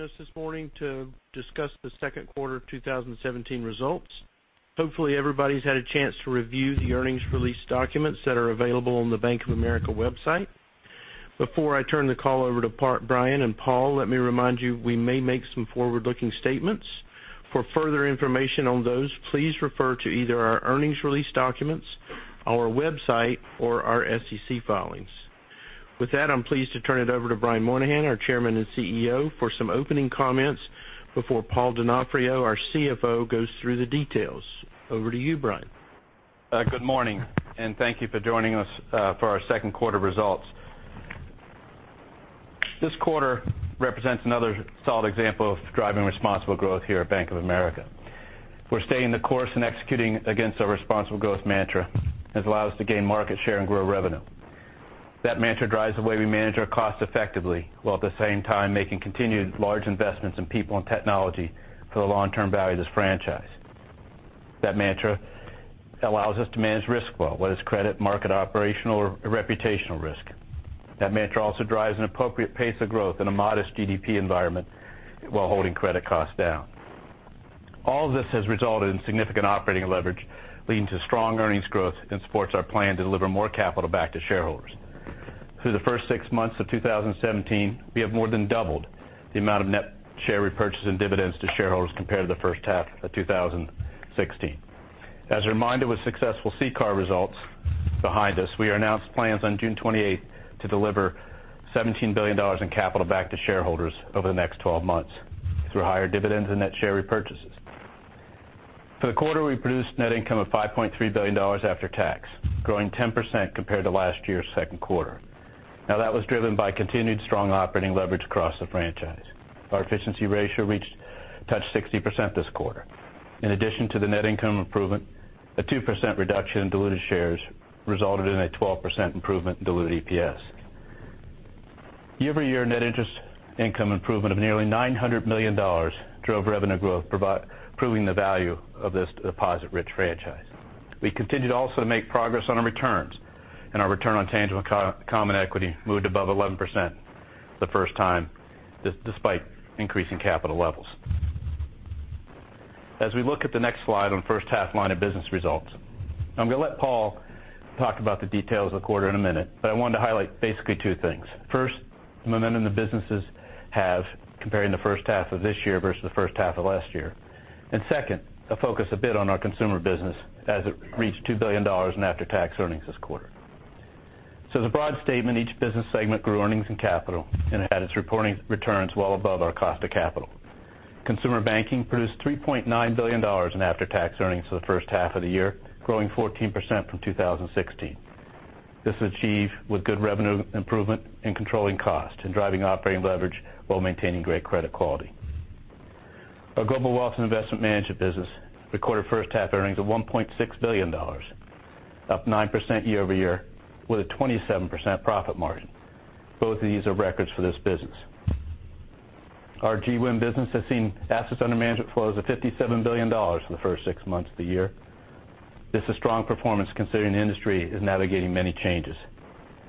Joining us this morning to discuss the second quarter of 2017 results. Hopefully, everybody's had a chance to review the earnings release documents that are available on the Bank of America website. Before I turn the call over to Brian and Paul, let me remind you, we may make some forward-looking statements. For further information on those, please refer to either our earnings release documents, our website, or our SEC filings. With that, I'm pleased to turn it over to Brian Moynihan, our Chairman and CEO, for some opening comments before Paul Donofrio, our CFO, goes through the details. Over to you, Brian. Good morning. Thank you for joining us for our second quarter results. This quarter represents another solid example of driving responsible growth here at Bank of America. We're staying the course and executing against our responsible growth mantra, has allowed us to gain market share and grow revenue. That mantra drives the way we manage our costs effectively, while at the same time making continued large investments in people and technology for the long-term value of this franchise. That mantra allows us to manage risk well, whether it's credit, market, operational, or reputational risk. That mantra also drives an appropriate pace of growth in a modest GDP environment while holding credit costs down. All this has resulted in significant operating leverage, leading to strong earnings growth and supports our plan to deliver more capital back to shareholders. Through the first six months of 2017, we have more than doubled the amount of net share repurchase and dividends to shareholders compared to the first half of 2016. As a reminder, with successful CCAR results behind us, we announced plans on June 28th to deliver $17 billion in capital back to shareholders over the next 12 months through higher dividends and net share repurchases. For the quarter, we produced net income of $5.3 billion after tax, growing 10% compared to last year's second quarter. That was driven by continued strong operating leverage across the franchise. Our efficiency ratio reached touched 60% this quarter. In addition to the net income improvement, a 2% reduction in diluted shares resulted in a 12% improvement in diluted EPS. Year-over-year net interest income improvement of nearly $900 million drove revenue growth, proving the value of this deposit-rich franchise. We continued also to make progress on our returns. Our return on tangible common equity moved above 11% the first time, despite increasing capital levels. As we look at the next slide on first half line of business results, I'm going to let Paul talk about the details of the quarter in a minute, but I wanted to highlight basically two things. First, the momentum the businesses have comparing the first half of this year versus the first half of last year. Second, I'll focus a bit on our consumer business as it reached $2 billion in after-tax earnings this quarter. As a broad statement, each business segment grew earnings and capital and had its reporting returns well above our cost of capital. Consumer Banking produced $3.9 billion in after-tax earnings for the first half of the year, growing 14% from 2016. This was achieved with good revenue improvement and controlling cost and driving operating leverage while maintaining great credit quality. Our Global Wealth and Investment Management business recorded first-half earnings of $1.6 billion, up 9% year-over-year with a 27% profit margin. Both of these are records for this business. Our GWIM business has seen assets under management flows of $57 billion for the first six months of the year. This is strong performance considering the industry is navigating many changes,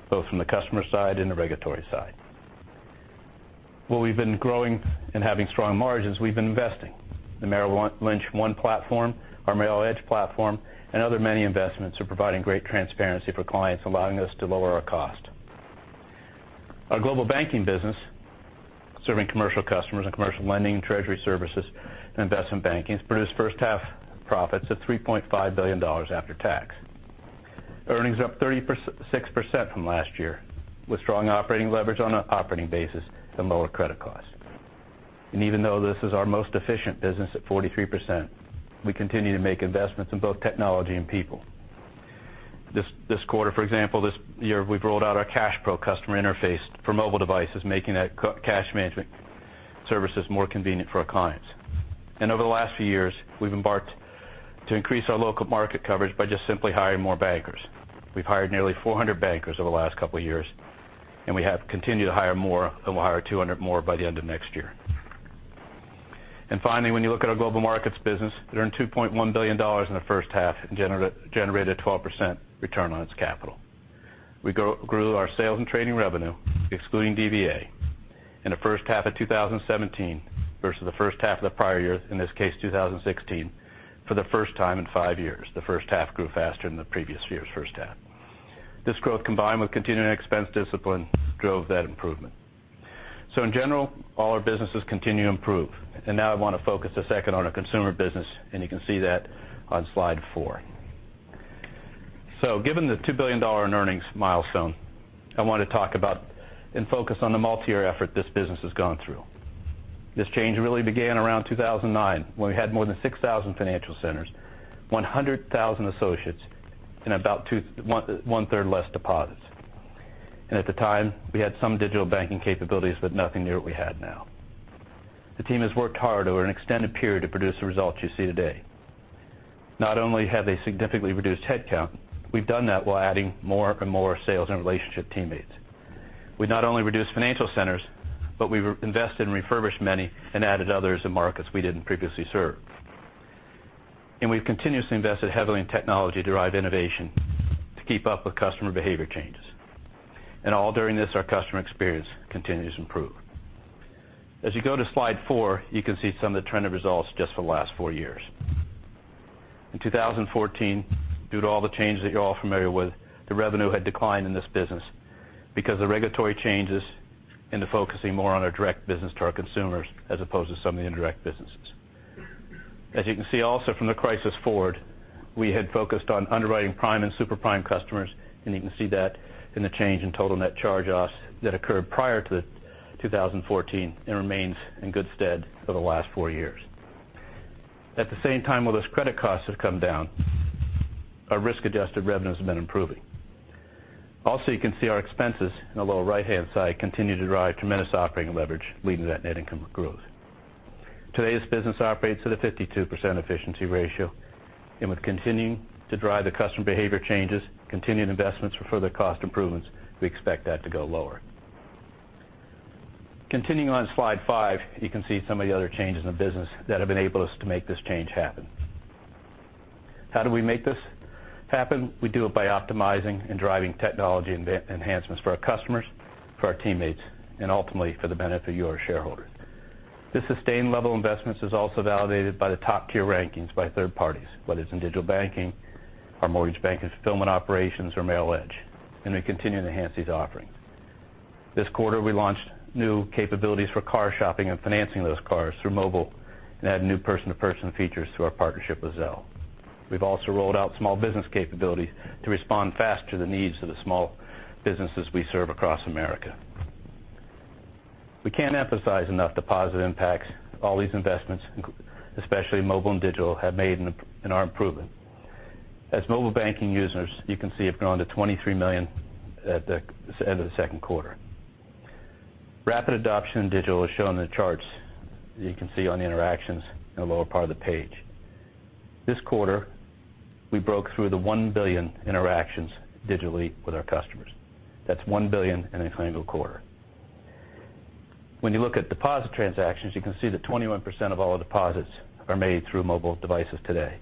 both from the customer side and the regulatory side. While we've been growing and having strong margins, we've been investing. The Merrill Lynch One platform, our Merrill Edge platform, and other many investments are providing great transparency for clients, allowing us to lower our cost. Our Global Banking business, serving commercial customers and commercial lending, treasury services, and investment banking, produced first-half profits of $3.5 billion after tax. Earnings up 36% from last year, with strong operating leverage on an operating basis and lower credit costs. Even though this is our most efficient business at 43%, we continue to make investments in both technology and people. This quarter, for example, this year, we've rolled out our CashPro customer interface for mobile devices, making that cash management services more convenient for our clients. Over the last few years, we've embarked to increase our local market coverage by just simply hiring more bankers. We've hired nearly 400 bankers over the last couple of years, and we have continued to hire more and will hire 200 more by the end of next year. Finally, when you look at our Global Markets business, it earned $2.1 billion in the first half and generated a 12% return on its capital. We grew our sales and trading revenue, excluding DVA, in the first half of 2017 versus the first half of the prior year, in this case, 2016, for the first time in five years. The first half grew faster than the previous year's first half. This growth, combined with continuing expense discipline, drove that improvement. In general, all our businesses continue to improve. Now I want to focus a second on our consumer business, and you can see that on slide four. Given the $2 billion in earnings milestone, I want to talk about and focus on the multi-year effort this business has gone through. This change really began around 2009 when we had more than 6,000 financial centers, 100,000 associates, and about one-third less deposits. At the time, we had some digital banking capabilities, but nothing near what we had now. The team has worked hard over an extended period to produce the results you see today. Not only have they significantly reduced headcount, we've done that while adding more and more sales and relationship teammates. We not only reduced financial centers, but we've invested and refurbished many and added others in markets we didn't previously serve. We've continuously invested heavily in technology-derived innovation to keep up with customer behavior changes. All during this, our customer experience continues to improve. As you go to slide four, you can see some of the trend of results just for the last four years. In 2014, due to all the changes that you're all familiar with, the revenue had declined in this business because of regulatory changes into focusing more on our direct business to our consumers as opposed to some of the indirect businesses. As you can see also from the crisis forward, we had focused on underwriting prime and super prime customers, and you can see that in the change in total net charge-offs that occurred prior to 2014 and remains in good stead for the last four years. At the same time, while those credit costs have come down, our risk-adjusted revenues have been improving. Also, you can see our expenses in the lower right-hand side continue to drive tremendous operating leverage, leading to that net income growth. Today, this business operates at a 52% efficiency ratio, and with continuing to drive the customer behavior changes, continuing investments for further cost improvements, we expect that to go lower. Continuing on slide five, you can see some of the other changes in the business that have enabled us to make this change happen. How do we make this happen? We do it by optimizing and driving technology enhancements for our customers, for our teammates, and ultimately, for the benefit of you, our shareholders. The sustained level investments is also validated by the top-tier rankings by third parties, whether it's in digital banking, our mortgage bank and fulfillment operations, or Merrill Edge, and we continue to enhance these offerings. This quarter, we launched new capabilities for car shopping and financing those cars through mobile and added new person-to-person features through our partnership with Zelle. We've also rolled out small business capabilities to respond fast to the needs of the small businesses we serve across America. We can't emphasize enough the positive impacts all these investments, especially mobile and digital, have made in our improvement. As mobile banking users, you can see, have grown to 23 million at the end of the second quarter. Rapid adoption in digital is shown in the charts. You can see on the interactions in the lower part of the page. This quarter, we broke through the one billion interactions digitally with our customers. That's one billion in a single quarter. When you look at deposit transactions, you can see that 21% of all deposits are made through mobile devices today.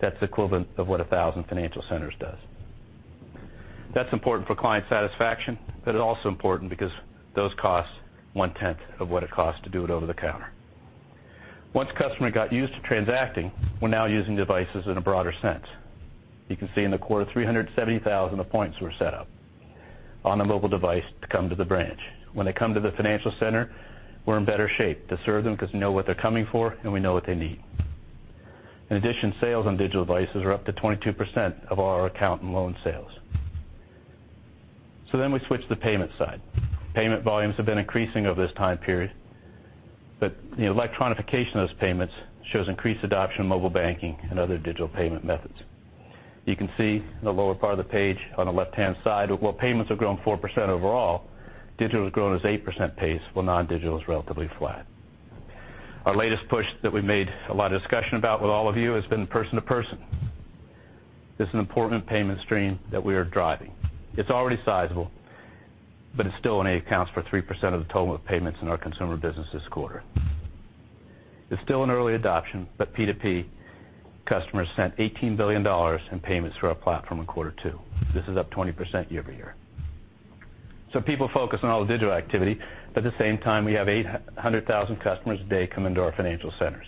That's equivalent of what 1,000 financial centers does. That's important for client satisfaction, but it's also important because those costs one-tenth of what it costs to do it over the counter. Once customer got used to transacting, we're now using devices in a broader sense. You can see in the quarter, 370,000 appointments were set up on a mobile device to come to the branch. When they come to the financial center, we're in better shape to serve them because we know what they're coming for and we know what they need. In addition, sales on digital devices are up to 22% of all our account and loan sales. We switch to the payment side. Payment volumes have been increasing over this time period, but electronification of those payments shows increased adoption of mobile banking and other digital payment methods. You can see in the lower part of the page on the left-hand side, while payments have grown 4% overall, digital has grown as 8% pace while non-digital is relatively flat. Our latest push that we made a lot of discussion about with all of you has been person-to-person. This is an important payment stream that we are driving. It's already sizable, but it still only accounts for 3% of the total of payments in our Consumer Banking business this quarter. It's still in early adoption, but P2P customers sent $18 billion in payments through our platform in quarter two. This is up 20% year-over-year. People focus on all the digital activity, but at the same time, we have 800,000 customers a day come into our financial centers.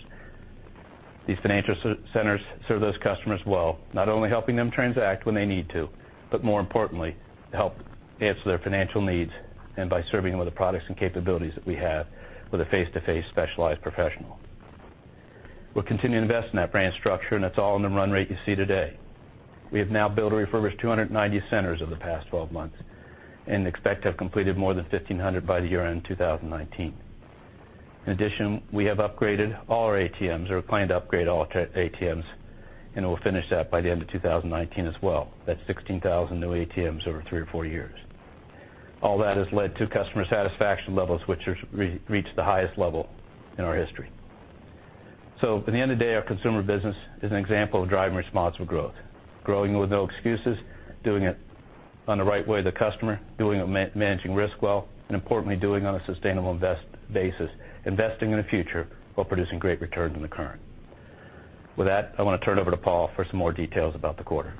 These financial centers serve those customers well, not only helping them transact when they need to, but more importantly, help answer their financial needs and by serving them with the products and capabilities that we have with a face-to-face specialized professional. We'll continue to invest in that brand structure, and it's all in the run rate you see today. We have now built or refurbished 290 centers over the past 12 months and expect to have completed more than 1,500 by the year-end 2019. In addition, we have upgraded all our ATMs or plan to upgrade all ATMs, and we'll finish that by the end of 2019 as well. That's 16,000 new ATMs over three or four years. All that has led to customer satisfaction levels, which have reached the highest level in our history. By the end of the day, our Consumer Banking business is an example of driving responsible growth, growing with no excuses, doing it on the right way of the customer, managing risk well, and importantly, doing it on a sustainable basis, investing in the future while producing great returns in the current. With that, I want to turn it over to Paul for some more details about the quarter.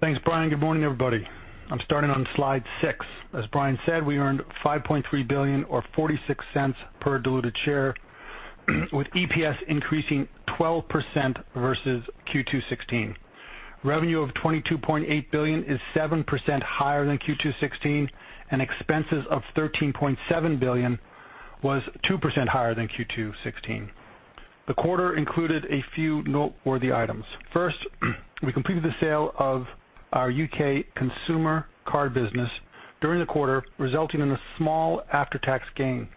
Thanks, Brian. Good morning, everybody. I'm starting on slide six. As Brian said, we earned $5.3 billion or $0.46 per diluted share, with EPS increasing 12% versus Q2 2016. Revenue of $22.8 billion is 7% higher than Q2 2016, and expenses of $13.7 billion was 2% higher than Q2 2016. The quarter included a few noteworthy items. First, we completed the sale of our U.K. consumer card business during the quarter, resulting in a small after-tax gain.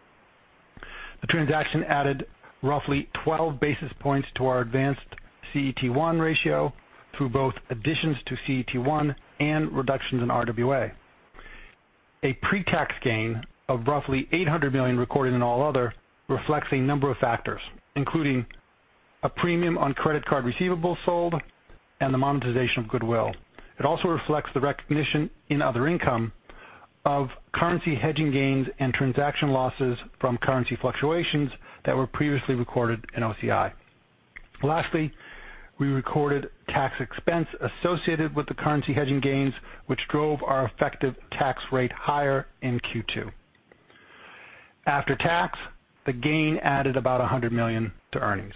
The transaction added roughly 12 basis points to our advanced CET1 ratio through both additions to CET1 and reductions in RWA. A pre-tax gain of roughly $800 million recorded in all other reflects a number of factors, including a premium on credit card receivables sold and the monetization of goodwill. It also reflects the recognition in other income of currency hedging gains and transaction losses from currency fluctuations that were previously recorded in OCI. Lastly, we recorded tax expense associated with the currency hedging gains, which drove our effective tax rate higher in Q2. After tax, the gain added about $100 million to earnings.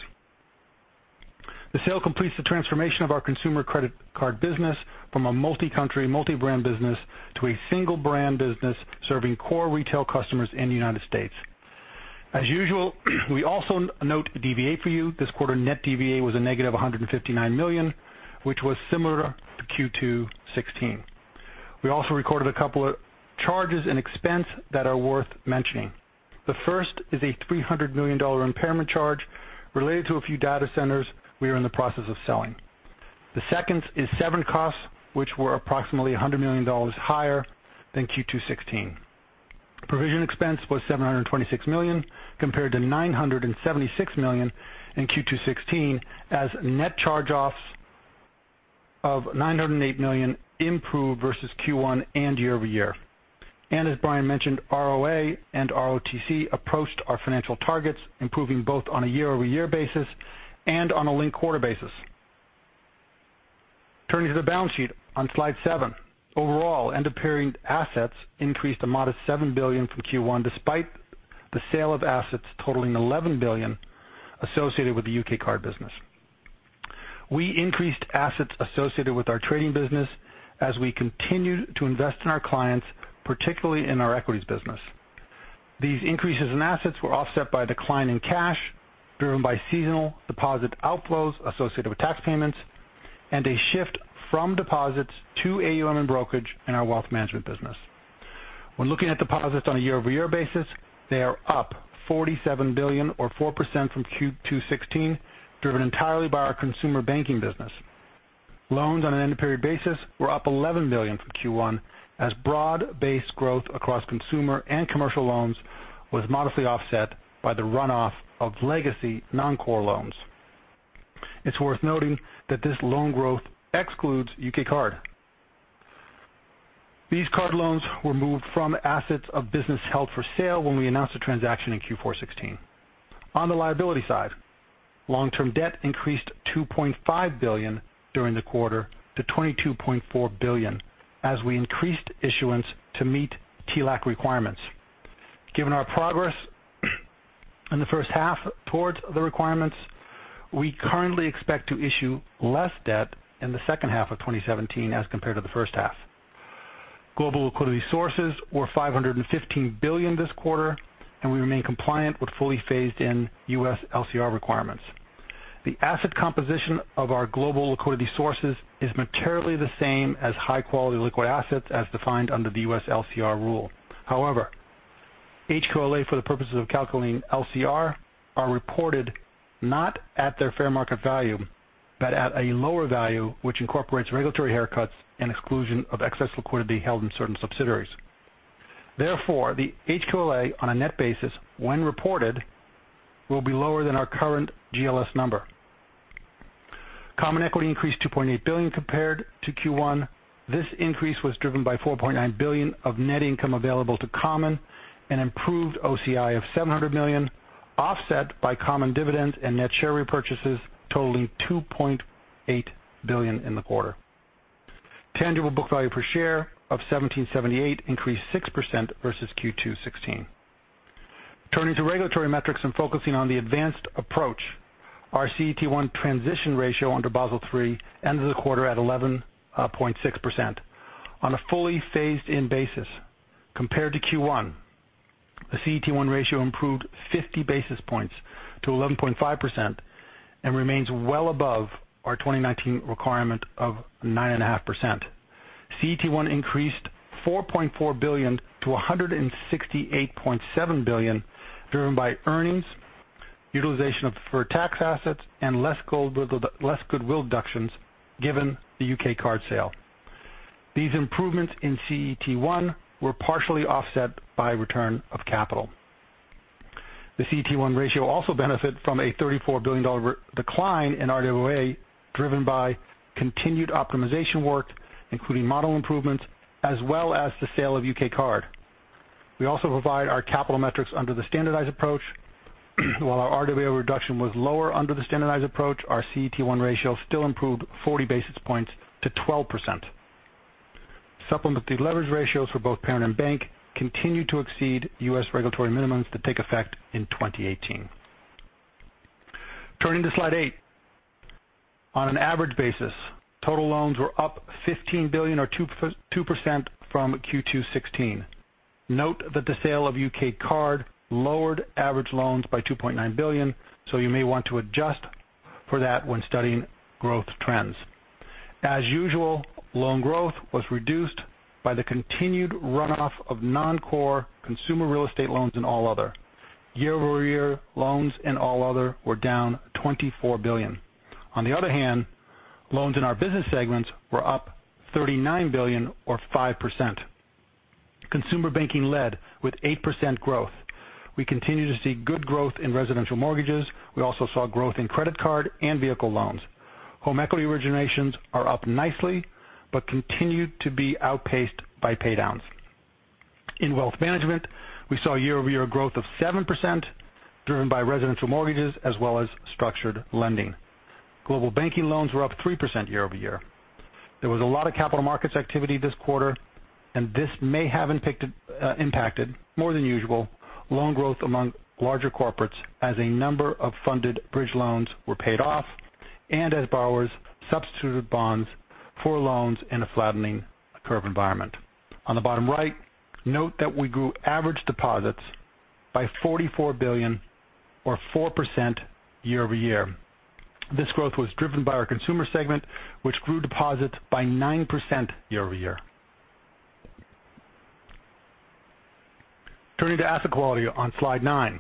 The sale completes the transformation of our consumer credit card business from a multi-country, multi-brand business to a single-brand business serving core retail customers in the United States. As usual, we also note DVA for you. This quarter net DVA was a negative $159 million which was similar to Q2 2016. We also recorded a couple of charges and expense that are worth mentioning. The first is a $300 million impairment charge related to a few data centers we are in the process of selling. The second is severing costs, which were approximately $100 million higher than Q2 2016. Provision expense was $726 million compared to $976 million in Q2 2016 as net charge-offs of $908 million improved versus Q1 and year-over-year. As Brian mentioned, ROA and ROTCE approached our financial targets, improving both on a year-over-year basis and on a linked-quarter basis. Turning to the balance sheet on Slide seven. Overall, end-of-period assets increased a modest $7 billion from Q1, despite the sale of assets totaling $11 billion associated with the U.K. card business. We increased assets associated with our trading business as we continued to invest in our clients, particularly in our equities business. These increases in assets were offset by a decline in cash, driven by seasonal deposit outflows associated with tax payments, and a shift from deposits to AUM and brokerage in our wealth management business. When looking at deposits on a year-over-year basis, they are up $47 billion or 4% from Q2 2016, driven entirely by our Consumer Banking business. Loans on an end-of-period basis were up $11 billion from Q1, as broad-based growth across consumer and commercial loans was modestly offset by the runoff of legacy non-core loans. It's worth noting that this loan growth excludes U.K. card. These card loans were moved from assets of business held for sale when we announced the transaction in Q4 2016. On the liability side, long-term debt increased $2.5 billion during the quarter to $22.4 billion as we increased issuance to meet TLAC requirements. Given our progress in the first half towards the requirements, we currently expect to issue less debt in the second half of 2017 as compared to the first half. Global liquidity sources were $515 billion this quarter. We remain compliant with fully phased in U.S. LCR requirements. The asset composition of our global liquidity sources is materially the same as high-quality liquid assets as defined under the U.S. LCR rule. However, HQLA, for the purposes of calculating LCR, are reported not at their fair market value, but at a lower value which incorporates regulatory haircuts and exclusion of excess liquidity held in certain subsidiaries. Therefore, the HQLA on a net basis, when reported, will be lower than our current GLS number. Common equity increased $2.8 billion compared to Q1. This increase was driven by $4.9 billion of net income available to common and improved OCI of $700 million, offset by common dividends and net share repurchases totaling $2.8 billion in the quarter. Tangible book value per share of $17.78 increased 6% versus Q2 2016. Turning to regulatory metrics and focusing on the advanced approach, our CET1 transition ratio under Basel III ended the quarter at 11.6%. On a fully phased-in basis compared to Q1, the CET1 ratio improved 50 basis points to 11.5% and remains well above our 2019 requirement of 9.5%. CET1 increased $4.4 billion to $168.7 billion, driven by earnings, utilization of deferred tax assets, and less goodwill deductions given the U.K. card sale. These improvements in CET1 were partially offset by return of capital. The CET1 ratio also benefit from a $34 billion decline in RWA, driven by continued optimization work, including model improvements, as well as the sale of U.K. card. We also provide our capital metrics under the standardized approach. While our RWA reduction was lower under the standardized approach, our CET1 ratio still improved 40 basis points to 12%. Supplementary leverage ratios for both parent and bank continued to exceed U.S. regulatory minimums that take effect in 2018. Turning to Slide eight. On an average basis, total loans were up $15 billion or 2% from Q2 2016. Note that the sale of U.K. card lowered average loans by $2.9 billion, so you may want to adjust for that when studying growth trends. As usual, loan growth was reduced by the continued runoff of non-core consumer real estate loans and all other. Year-over-year loans and all other were down $24 billion. On the other hand, loans in our business segments were up $39 billion or 5%. Consumer Banking led with 8% growth. We continue to see good growth in residential mortgages. We also saw growth in credit card and vehicle loans. Home equity originations are up nicely but continue to be outpaced by pay-downs. In wealth management, we saw year-over-year growth of 7% driven by residential mortgages as well as structured lending. Global Banking loans were up 3% year-over-year. There was a lot of capital markets activity this quarter. This may have impacted more than usual loan growth among larger corporates as a number of funded bridge loans were paid off and as borrowers substituted bonds for loans in a flattening curve environment. On the bottom right, note that we grew average deposits by $44 billion or 4% year-over-year. This growth was driven by our Consumer segment, which grew deposits by 9% year-over-year. Turning to asset quality on Slide nine.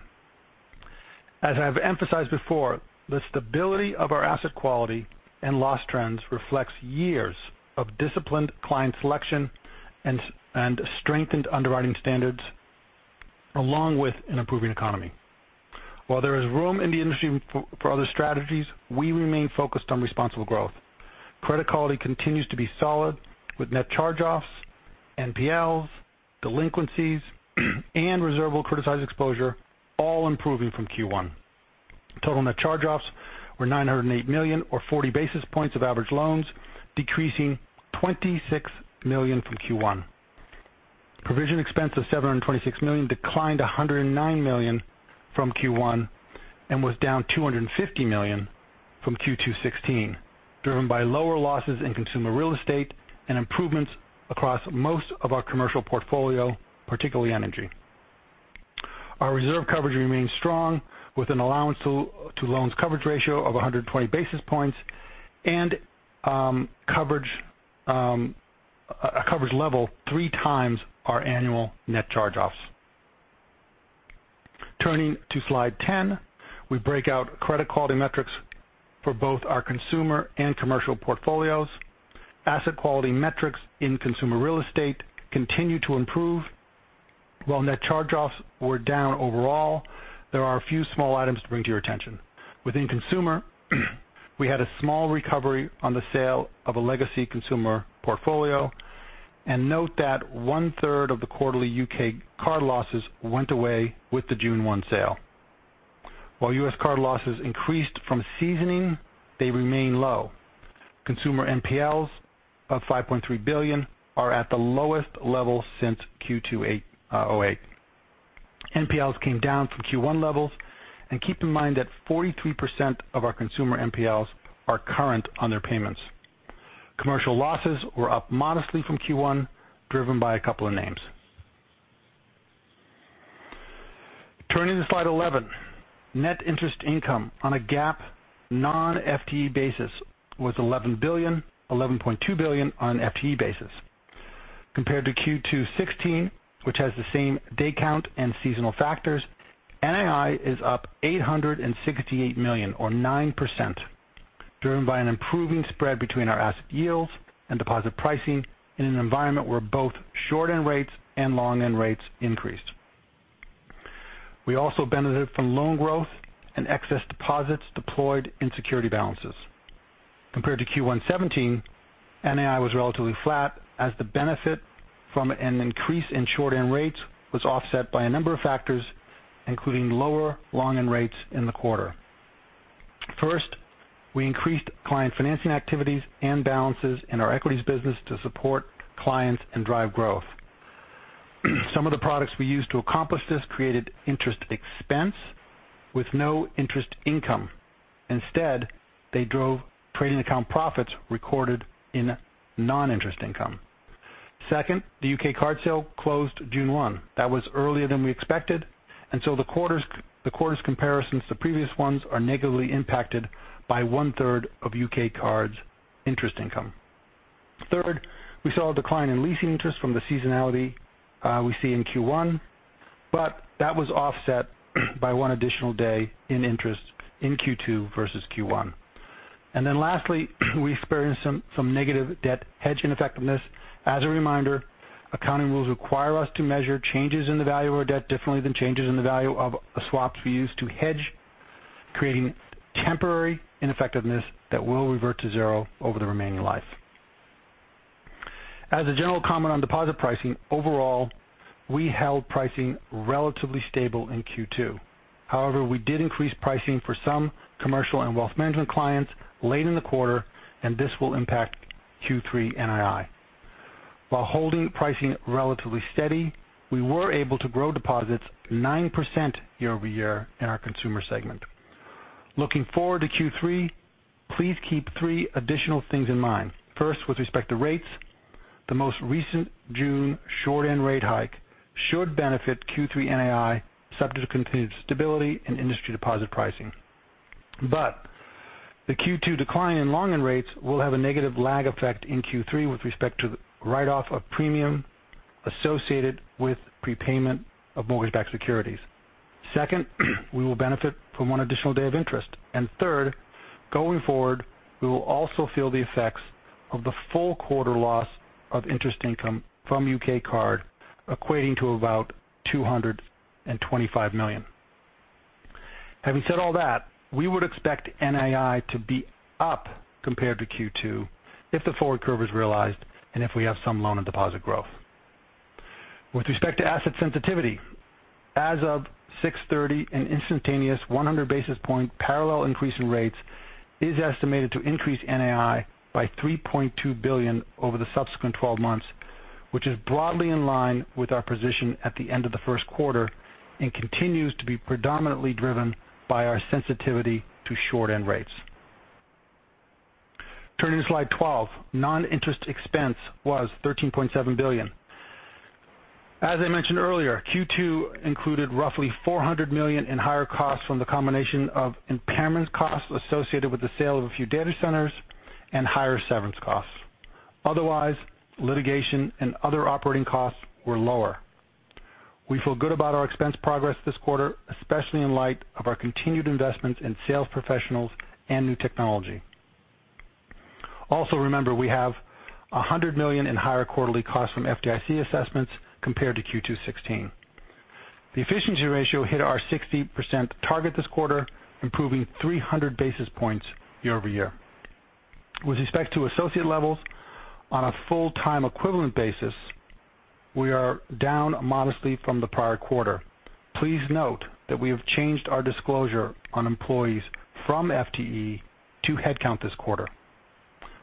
As I've emphasized before, the stability of our asset quality and loss trends reflects years of disciplined client selection and strengthened underwriting standards, along with an improving economy. While there is room in the industry for other strategies, we remain focused on responsible growth. Credit quality continues to be solid with net charge-offs, NPLs, delinquencies, and reservable criticized exposure all improving from Q1. Total net charge-offs were $908 million or 40 basis points of average loans, decreasing $26 million from Q1. Provision expense of $726 million declined $109 million from Q1 and was down $250 million from Q2 2016, driven by lower losses in consumer real estate and improvements across most of our commercial portfolio, particularly energy. Our reserve coverage remains strong with an allowance to loans coverage ratio of 120 basis points and a coverage level three times our annual net charge-offs. Turning to Slide 10, we break out credit quality metrics for both our consumer and commercial portfolios. Asset quality metrics in consumer real estate continue to improve. While net charge-offs were down overall, there are a few small items to bring to your attention. Within consumer, we had a small recovery on the sale of a legacy consumer portfolio. Note that one-third of the quarterly U.K. card losses went away with the June 1 sale. While U.S. card losses increased from seasoning, they remain low. Consumer NPLs of $5.3 billion are at the lowest level since Q2 2008. NPLs came down from Q1 levels. Keep in mind that 43% of our consumer NPLs are current on their payments. Commercial losses were up modestly from Q1, driven by a couple of names. Turning to Slide 11. Net interest income on a GAAP non-FTE basis was $11 billion, $11.2 billion on an FTE basis. Compared to Q2 2016, which has the same day count and seasonal factors, NII is up $868 million or 9%, driven by an improving spread between our asset yields and deposit pricing in an environment where both short-end rates and long-end rates increased. We also benefited from loan growth and excess deposits deployed in security balances. Compared to Q1 2017, NII was relatively flat as the benefit from an increase in short-end rates was offset by a number of factors, including lower long-end rates in the quarter. First, we increased client financing activities and balances in our equities business to support clients and drive growth. Some of the products we used to accomplish this created interest expense with no interest income. Instead, they drove trading account profits recorded in non-interest income. Second, the U.K. card sale closed June 1. That was earlier than we expected, the quarter's comparisons to previous ones are negatively impacted by one-third of U.K. cards interest income. Third, we saw a decline in leasing interest from the seasonality we see in Q1, that was offset by one additional day in interest in Q2 versus Q1. Lastly, we experienced some negative debt hedge ineffectiveness. As a reminder, accounting rules require us to measure changes in the value of our debt differently than changes in the value of the swaps we use to hedge, creating temporary ineffectiveness that will revert to zero over the remaining life. As a general comment on deposit pricing, overall, we held pricing relatively stable in Q2. However, we did increase pricing for some commercial and wealth management clients late in the quarter, this will impact Q3 NII. While holding pricing relatively steady, we were able to grow deposits 9% year-over-year in our consumer segment. Looking forward to Q3, please keep three additional things in mind. First, with respect to rates, the most recent June short-end rate hike should benefit Q3 NII subject to continued stability in industry deposit pricing. The Q2 decline in long-end rates will have a negative lag effect in Q3 with respect to the write-off of premium associated with prepayment of mortgage-backed securities. Second, we will benefit from one additional day of interest. Third, going forward, we will also feel the effects of the full quarter loss of interest income from U.K. card equating to about $225 million. Having said all that, we would expect NII to be up compared to Q2 if the forward curve is realized and if we have some loan and deposit growth. With respect to asset sensitivity, as of 6/30, an instantaneous 100-basis-point parallel increase in rates is estimated to increase NAI by $3.2 billion over the subsequent 12 months, which is broadly in line with our position at the end of the first quarter and continues to be predominantly driven by our sensitivity to short-end rates. Turning to slide 12. Non-interest expense was $13.7 billion. As I mentioned earlier, Q2 included roughly $400 million in higher costs from the combination of impairment costs associated with the sale of a few data centers and higher severance costs. Otherwise, litigation and other operating costs were lower. We feel good about our expense progress this quarter, especially in light of our continued investments in sales professionals and new technology. Also remember, we have $100 million in higher quarterly costs from FDIC assessments compared to Q2 2016. The efficiency ratio hit our 60% target this quarter, improving 300 basis points year-over-year. With respect to associate levels, on a full-time equivalent basis, we are down modestly from the prior quarter. Please note that we have changed our disclosure on employees from FTE to head count this quarter.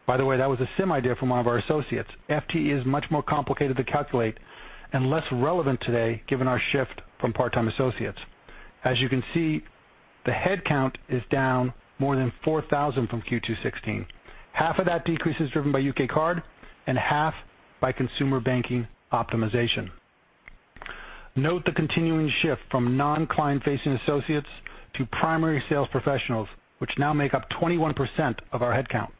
By the way, that was a SIM idea from one of our associates. FTE is much more complicated to calculate and less relevant today given our shift from part-time associates. As you can see, the head count is down more than 4,000 from Q2 2016. Half of that decrease is driven by U.K. Card and half by Consumer Banking optimization. Note the continuing shift from non-client-facing associates to primary sales professionals, which now make up 21% of our head count.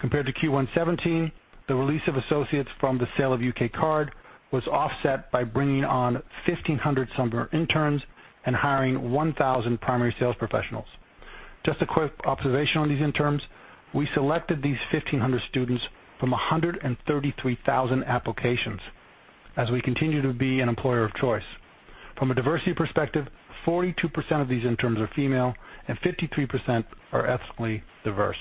Compared to Q1 2017, the release of associates from the sale of U.K. Card was offset by bringing on 1,500 summer interns and hiring 1,000 primary sales professionals. Just a quick observation on these interns. We selected these 1,500 students from 133,000 applications as we continue to be an employer of choice. From a diversity perspective, 42% of these interns are female and 53% are ethnically diverse.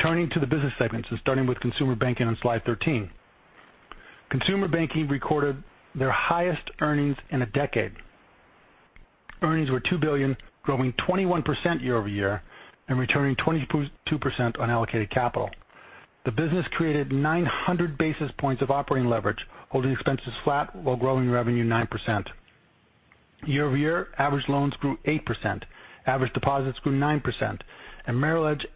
Turning to the business segments and starting with Consumer Banking on slide 13. Consumer Banking recorded their highest earnings in a decade. Earnings were $2 billion, growing 21% year-over-year and returning 22% on allocated capital. The business created 900 basis points of operating leverage, holding expenses flat while growing revenue 9%. Year-over-year, average loans grew 8%, average deposits grew 9%, and Merrill Edge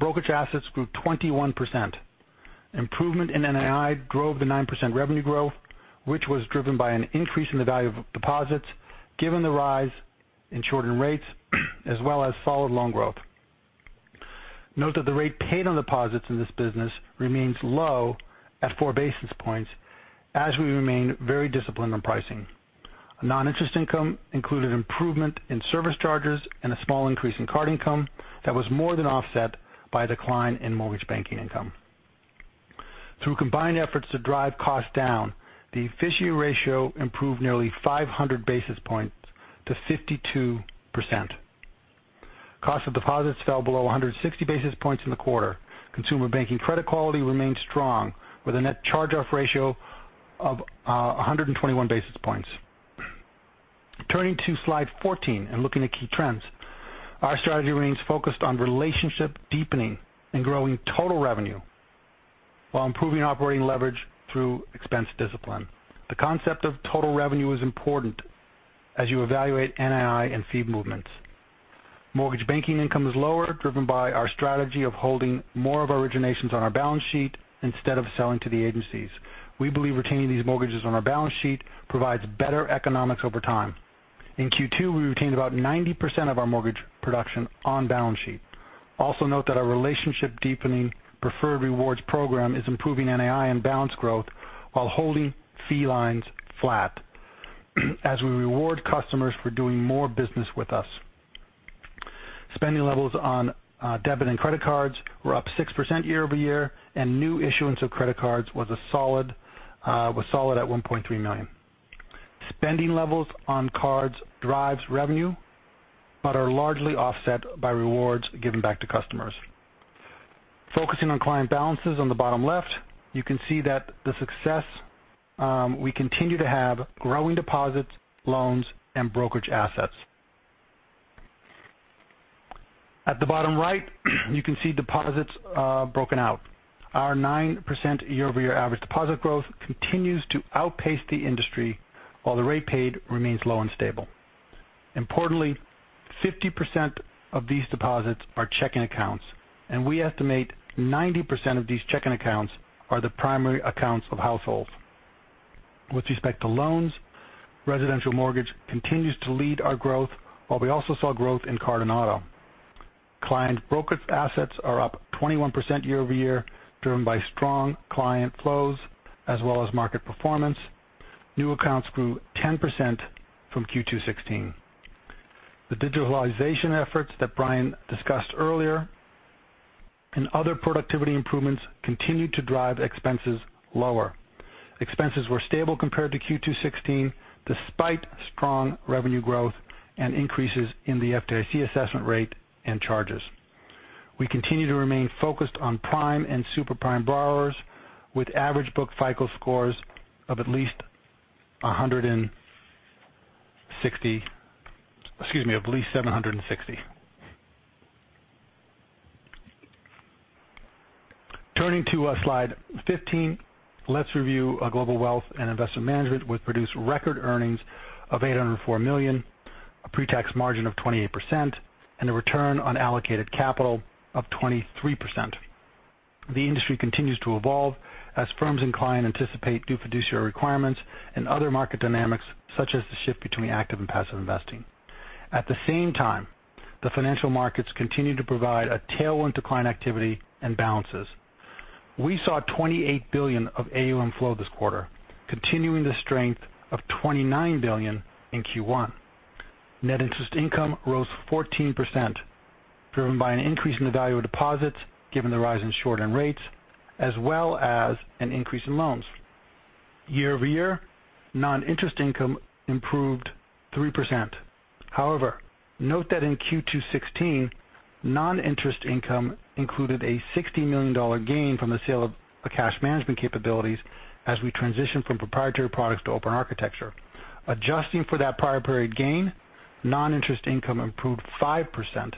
brokerage assets grew 21%. Improvement in NII drove the 9% revenue growth, which was driven by an increase in the value of deposits given the rise in short-term rates as well as solid loan growth. Note that the rate paid on deposits in this business remains low at four basis points as we remain very disciplined on pricing. Non-interest income included improvement in service charges and a small increase in card income that was more than offset by a decline in mortgage banking income. Through combined efforts to drive costs down, the efficiency ratio improved nearly 500 basis points to 52%. Cost of deposits fell below 160 basis points in the quarter. Consumer Banking credit quality remains strong with a net charge-off ratio of 121 basis points. Turning to slide 14 and looking at key trends. Our strategy remains focused on relationship deepening and growing total revenue while improving operating leverage through expense discipline. The concept of total revenue is important as you evaluate NII and fee movements. Mortgage banking income is lower, driven by our strategy of holding more of our originations on our balance sheet instead of selling to the agencies. We believe retaining these mortgages on our balance sheet provides better economics over time. In Q2, we retained about 90% of our mortgage production on balance sheet. Also note that our relationship deepening Preferred Rewards program is improving NII and balance growth while holding fee lines flat as we reward customers for doing more business with us. Spending levels on debit and credit cards were up 6% year-over-year, and new issuance of credit cards was solid at $1.3 million. Spending levels on cards drives revenue but are largely offset by rewards given back to customers. Focusing on client balances on the bottom left, you can see that the success we continue to have growing deposits, loans, and brokerage assets. At the bottom right, you can see deposits broken out. Our 9% year-over-year average deposit growth continues to outpace the industry while the rate paid remains low and stable. Importantly, 50% of these deposits are checking accounts, and we estimate 90% of these checking accounts are the primary accounts of households. With respect to loans, residential mortgage continues to lead our growth while we also saw growth in card and auto. Client brokerage assets are up 21% year-over-year, driven by strong client flows as well as market performance. New accounts grew 10% from Q2 2016. The digitalization efforts that Brian discussed earlier and other productivity improvements continued to drive expenses lower. Expenses were stable compared to Q2 2016, despite strong revenue growth and increases in the FDIC assessment rate and charges. We continue to remain focused on prime and super prime borrowers with average book FICO scores of at least 160. Excuse me, of at least 760. Turning to slide 15, let's review Global Wealth and Investment Management, which produced record earnings of $804 million, a pre-tax margin of 28%, and a return on allocated capital of 23%. The industry continues to evolve as firms and clients anticipate new fiduciary requirements and other market dynamics such as the shift between active and passive investing. At the same time, the financial markets continue to provide a tailwind to client activity and balances. We saw $28 billion of AUM flow this quarter, continuing the strength of $29 billion in Q1. Net interest income rose 14%, driven by an increase in the value of deposits, given the rise in short-term rates, as well as an increase in loans. Year-over-year, non-interest income improved 3%. However, note that in Q2 2016, non-interest income included a $60 million gain from the sale of cash management capabilities as we transition from proprietary products to open architecture. Adjusting for that prior period gain, non-interest income improved 5%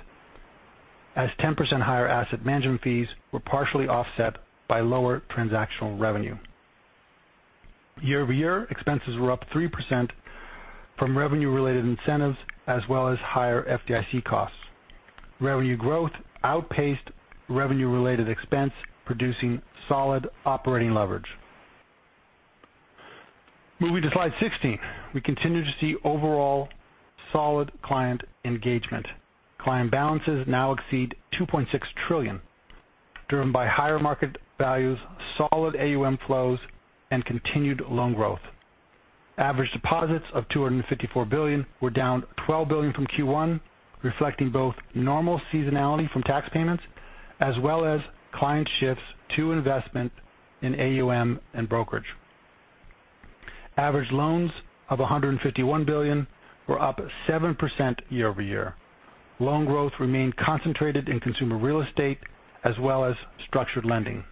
as 10% higher asset management fees were partially offset by lower transactional revenue. Year-over-year, expenses were up 3% from revenue-related incentives as well as higher FDIC costs. Revenue growth outpaced revenue-related expense, producing solid operating leverage. Moving to slide 16. We continue to see overall solid client engagement. Client balances now exceed $2.6 trillion, driven by higher market values, solid AUM flows, and continued loan growth. Average deposits of $254 billion were down $12 billion from Q1, reflecting both normal seasonality from tax payments as well as client shifts to investment in AUM and brokerage. Average loans of $151 billion were up 7% year-over-year. Loan growth remained concentrated in consumer real estate as well as structured lending.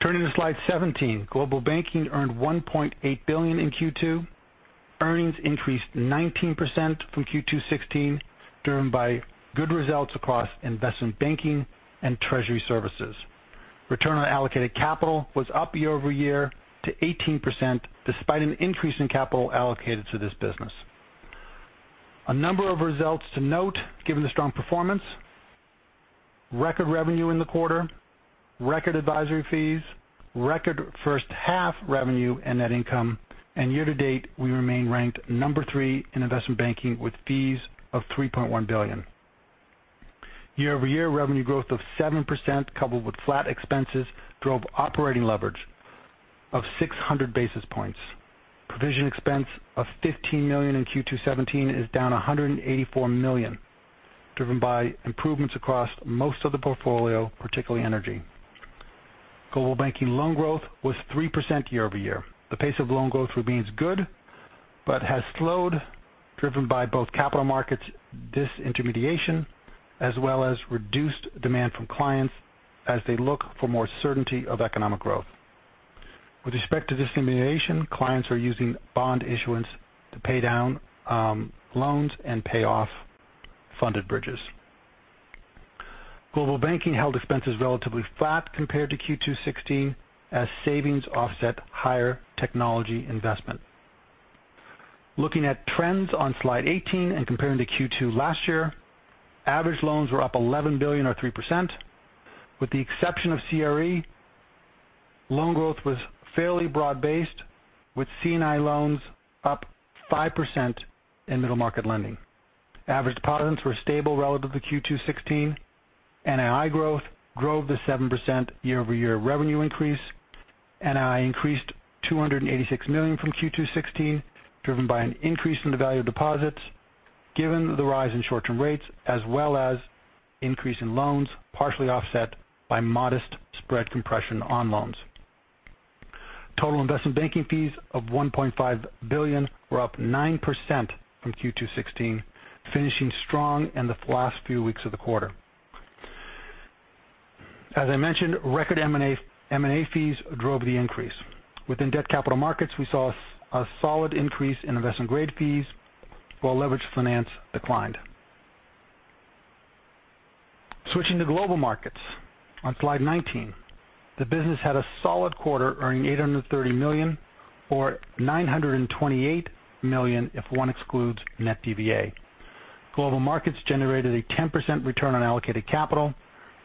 Turning to slide 17. Global Banking earned $1.8 billion in Q2. Earnings increased 19% from Q2 2016, driven by good results across investment banking and treasury services. Return on allocated capital was up year-over-year to 18%, despite an increase in capital allocated to this business. A number of results to note given the strong performance. Record revenue in the quarter, record advisory fees, record first half revenue and net income. Year-to-date, we remain ranked number three in investment banking with fees of $3.1 billion. Year-over-year revenue growth of 7%, coupled with flat expenses, drove operating leverage of 600 basis points. Provision expense of $15 million in Q2 2017 is down $184 million, driven by improvements across most of the portfolio, particularly energy. Global Banking loan growth was 3% year-over-year. The pace of loan growth remains good but has slowed, driven by both capital markets disintermediation as well as reduced demand from clients as they look for more certainty of economic growth. With respect to disintermediation, clients are using bond issuance to pay down loans and pay off funded bridges. Global Banking held expenses relatively flat compared to Q2 2016 as savings offset higher technology investment. Looking at trends on slide 18 and comparing to Q2 last year, average loans were up $11 billion or 3%. With the exception of CRE, loan growth was fairly broad-based, with C&I loans up 5% in middle market lending. Average deposits were stable relative to Q2 2016. NII growth drove the 7% year-over-year revenue increase. NII increased $286 million from Q2 2016, driven by an increase in the value of deposits given the rise in short-term rates, as well as increase in loans partially offset by modest spread compression on loans. Total investment banking fees of $1.5 billion were up 9% from Q2 2016, finishing strong in the last few weeks of the quarter. As I mentioned, record M&A fees drove the increase. Within debt capital markets, we saw a solid increase in investment-grade fees while leveraged finance declined. Switching to Global Markets on slide 19. The business had a solid quarter, earning $830 million or $928 million if one excludes net DVA. Global Markets generated a 10% return on allocated capital.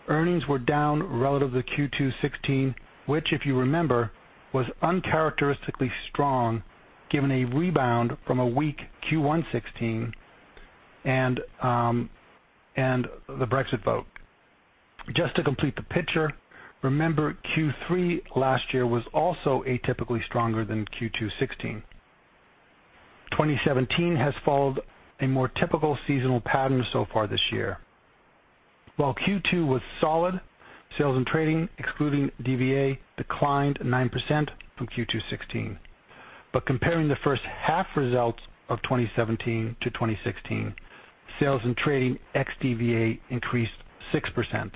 Earnings were down relative to Q2 2016, which if you remember, was uncharacteristically strong given a rebound from a weak Q1 2016 and the Brexit vote. Just to complete the picture, remember Q3 last year was also atypically stronger than Q2 2016. 2017 has followed a more typical seasonal pattern so far this year. While Q2 was solid, sales and trading, excluding DVA, declined 9% from Q2 2016. Comparing the first half results of 2017 to 2016, sales and trading ex DVA increased 6%.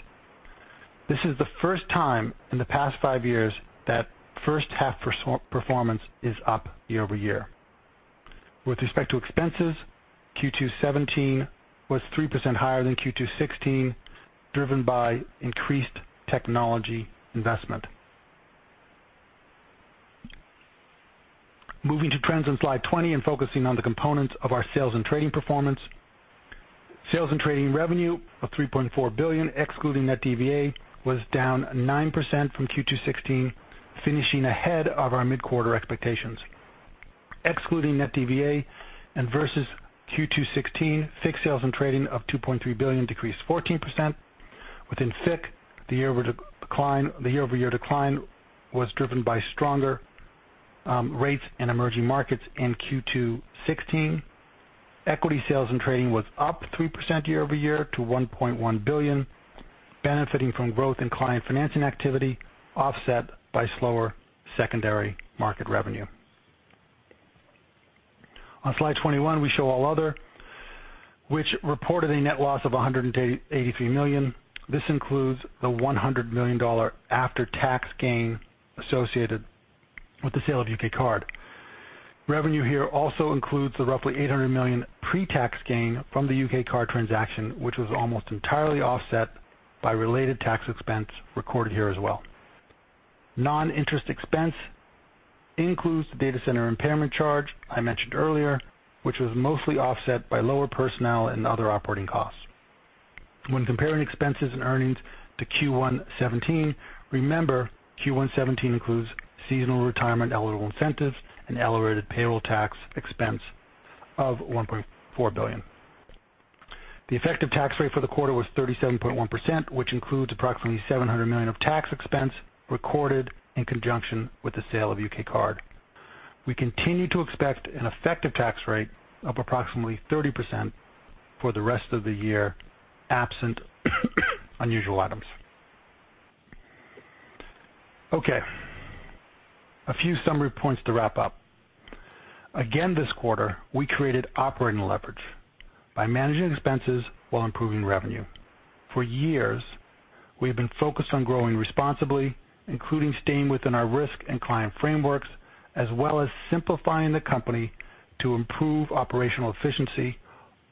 This is the first time in the past five years that first half performance is up year-over-year. With respect to expenses, Q2 2017 was 3% higher than Q2 2016, driven by increased technology investment. Moving to trends on slide 20 and focusing on the components of our sales and trading performance. Sales and trading revenue of $3.4 billion excluding net DVA was down 9% from Q2 2016, finishing ahead of our mid-quarter expectations. Excluding net DVA and versus Q2 2016, FICC sales and trading of $2.3 billion decreased 14%. Within FICC, the year-over-year decline was driven by stronger rates in emerging markets in Q2 2016. Equity sales and trading was up 3% year-over-year to $1.1 billion, benefiting from growth in client financing activity, offset by slower secondary market revenue. On slide 21, we show all other, which reported a net loss of $183 million. This includes the $100 million after-tax gain associated with the sale of U.K. Card. Revenue here also includes the roughly $800 million pre-tax gain from the U.K. Card transaction, which was almost entirely offset by related tax expense recorded here as well. Non-interest expense includes the data center impairment charge I mentioned earlier, which was mostly offset by lower personnel and other operating costs. When comparing expenses and earnings to Q1 2017, remember Q1 2017 includes seasonal retirement eligible incentives and elevated payroll tax expense of $1.4 billion. The effective tax rate for the quarter was 37.1%, which includes approximately $700 million of tax expense recorded in conjunction with the sale of UK Card. We continue to expect an effective tax rate of approximately 30% for the rest of the year, absent unusual items. Okay. A few summary points to wrap up. This quarter, we created operating leverage by managing expenses while improving revenue. For years, we have been focused on growing responsibly, including staying within our risk and client frameworks, as well as simplifying the company to improve operational efficiency,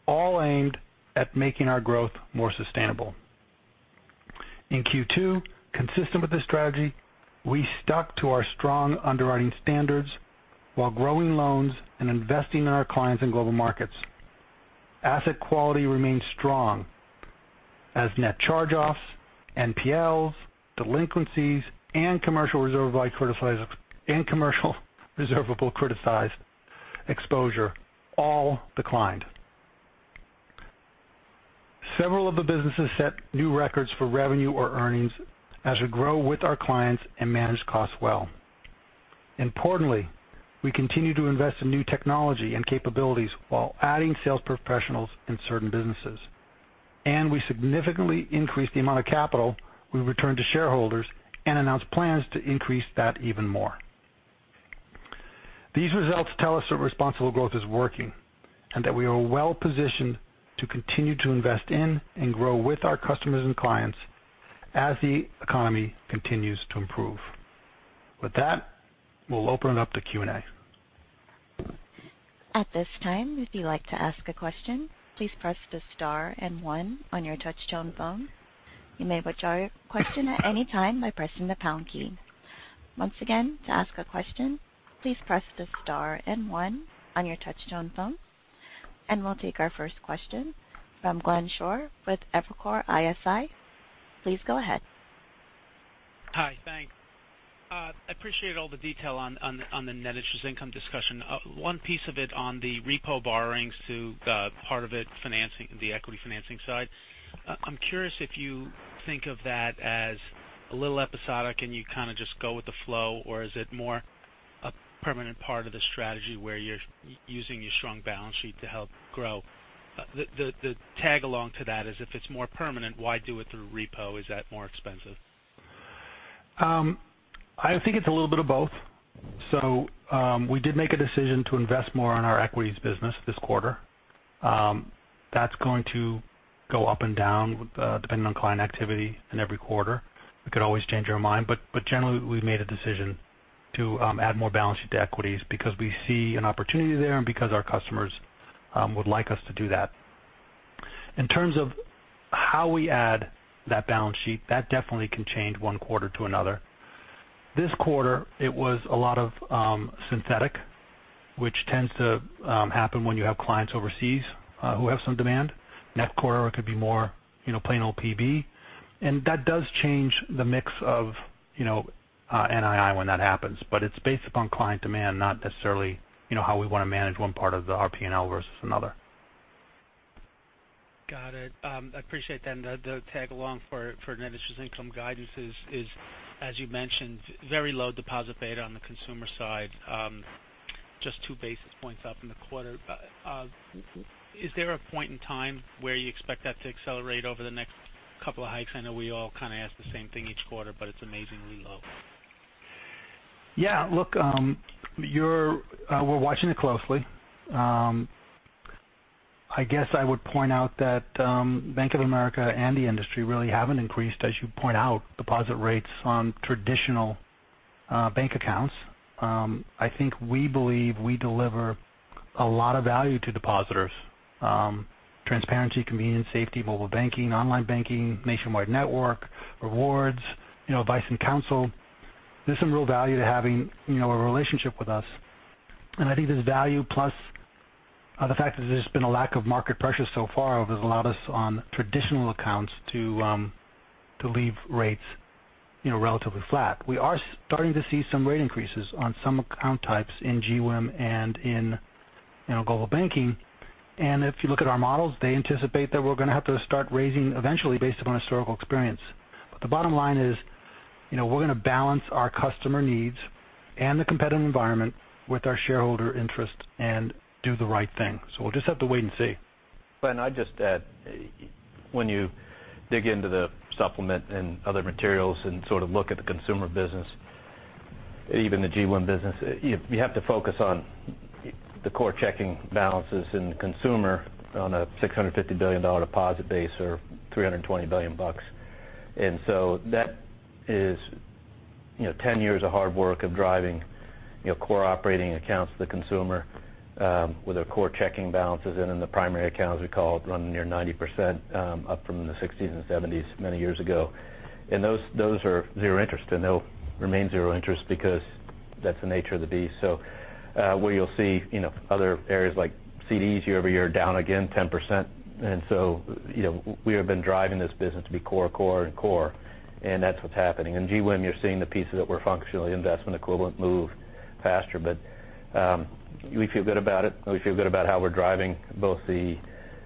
all aimed at making our growth more sustainable. In Q2, consistent with this strategy, we stuck to our strong underwriting standards while growing loans and investing in our clients and Global Markets. Asset quality remains strong as net charge-offs, NPLs, delinquencies, and commercial reservable criticized exposure all declined. Several of the businesses set new records for revenue or earnings as we grow with our clients and manage costs well. Importantly, we continue to invest in new technology and capabilities while adding sales professionals in certain businesses. We significantly increased the amount of capital we returned to shareholders and announced plans to increase that even more. These results tell us that responsible growth is working and that we are well-positioned to continue to invest in and grow with our customers and clients as the economy continues to improve. With that, we'll open it up to Q&A. At this time, if you'd like to ask a question, please press the star and one on your touch-tone phone. You may withdraw your question at any time by pressing the pound key. Once again, to ask a question, please press the star and one on your touch-tone phone. We'll take our first question from Glenn Schorr with Evercore ISI. Please go ahead. Hi. Thanks. I appreciate all the detail on the Net Interest Income discussion. One piece of it on the repo borrowings to the part of it, the equity financing side. I'm curious if you think of that as a little episodic and you kind of just go with the flow, or is it more a permanent part of the strategy where you're using your strong balance sheet to help grow? The tag along to that is if it's more permanent, why do it through repo? Is that more expensive? I think it's a little bit of both. We did make a decision to invest more on our equities business this quarter. That's going to go up and down depending on client activity in every quarter. We could always change our mind, but generally, we've made a decision to add more balance sheet to equities because we see an opportunity there and because our customers would like us to do that. In terms of how we add that balance sheet, that definitely can change one quarter to another. This quarter, it was a lot of synthetic, which tends to happen when you have clients overseas who have some demand. Net core could be more plain old PB. That does change the mix of NII when that happens. It's based upon client demand, not necessarily how we want to manage one part of our P&L versus another. Got it. I appreciate that. The tag-along for Net Interest Income guidance is, as you mentioned, very low deposit beta on the consumer side. Just two basis points up in the quarter. Is there a point in time where you expect that to accelerate over the next couple of hikes? I know we all kind of ask the same thing each quarter, but it's amazingly low. Look, we're watching it closely. I guess I would point out that Bank of America and the industry really haven't increased, as you point out, deposit rates on traditional bank accounts. I think we believe we deliver a lot of value to depositors. Transparency, convenience, safety, mobile banking, online banking, nationwide network, rewards, advice and counsel. There's some real value to having a relationship with us. I think this value, plus the fact that there's just been a lack of market pressure so far, has allowed us on traditional accounts to leave rates relatively flat. We are starting to see some rate increases on some account types in GWIM and in Global Banking. If you look at our models, they anticipate that we're going to have to start raising eventually based upon historical experience. The bottom line is, we're going to balance our customer needs and the competitive environment with our shareholder interest and do the right thing. We'll just have to wait and see. Ben, I'd just add, when you dig into the supplement and other materials and sort of look at the consumer business, even the GWIM business, you have to focus on the core checking balances in the consumer on a $650 billion deposit base or $320 billion. That is 10 years of hard work of driving core operating accounts to the consumer with their core checking balances. The primary accounts, we call it, running near 90%, up from the 60s and 70s many years ago. Those are zero interest, and they'll remain zero interest because that's the nature of the beast. Where you'll see other areas like CDs year-over-year down again 10%. We have been driving this business to be core, and core, and that's what's happening. In GWIM, you're seeing the pieces that were functionally investment equivalent move faster. We feel good about it. We feel good about how we're driving both the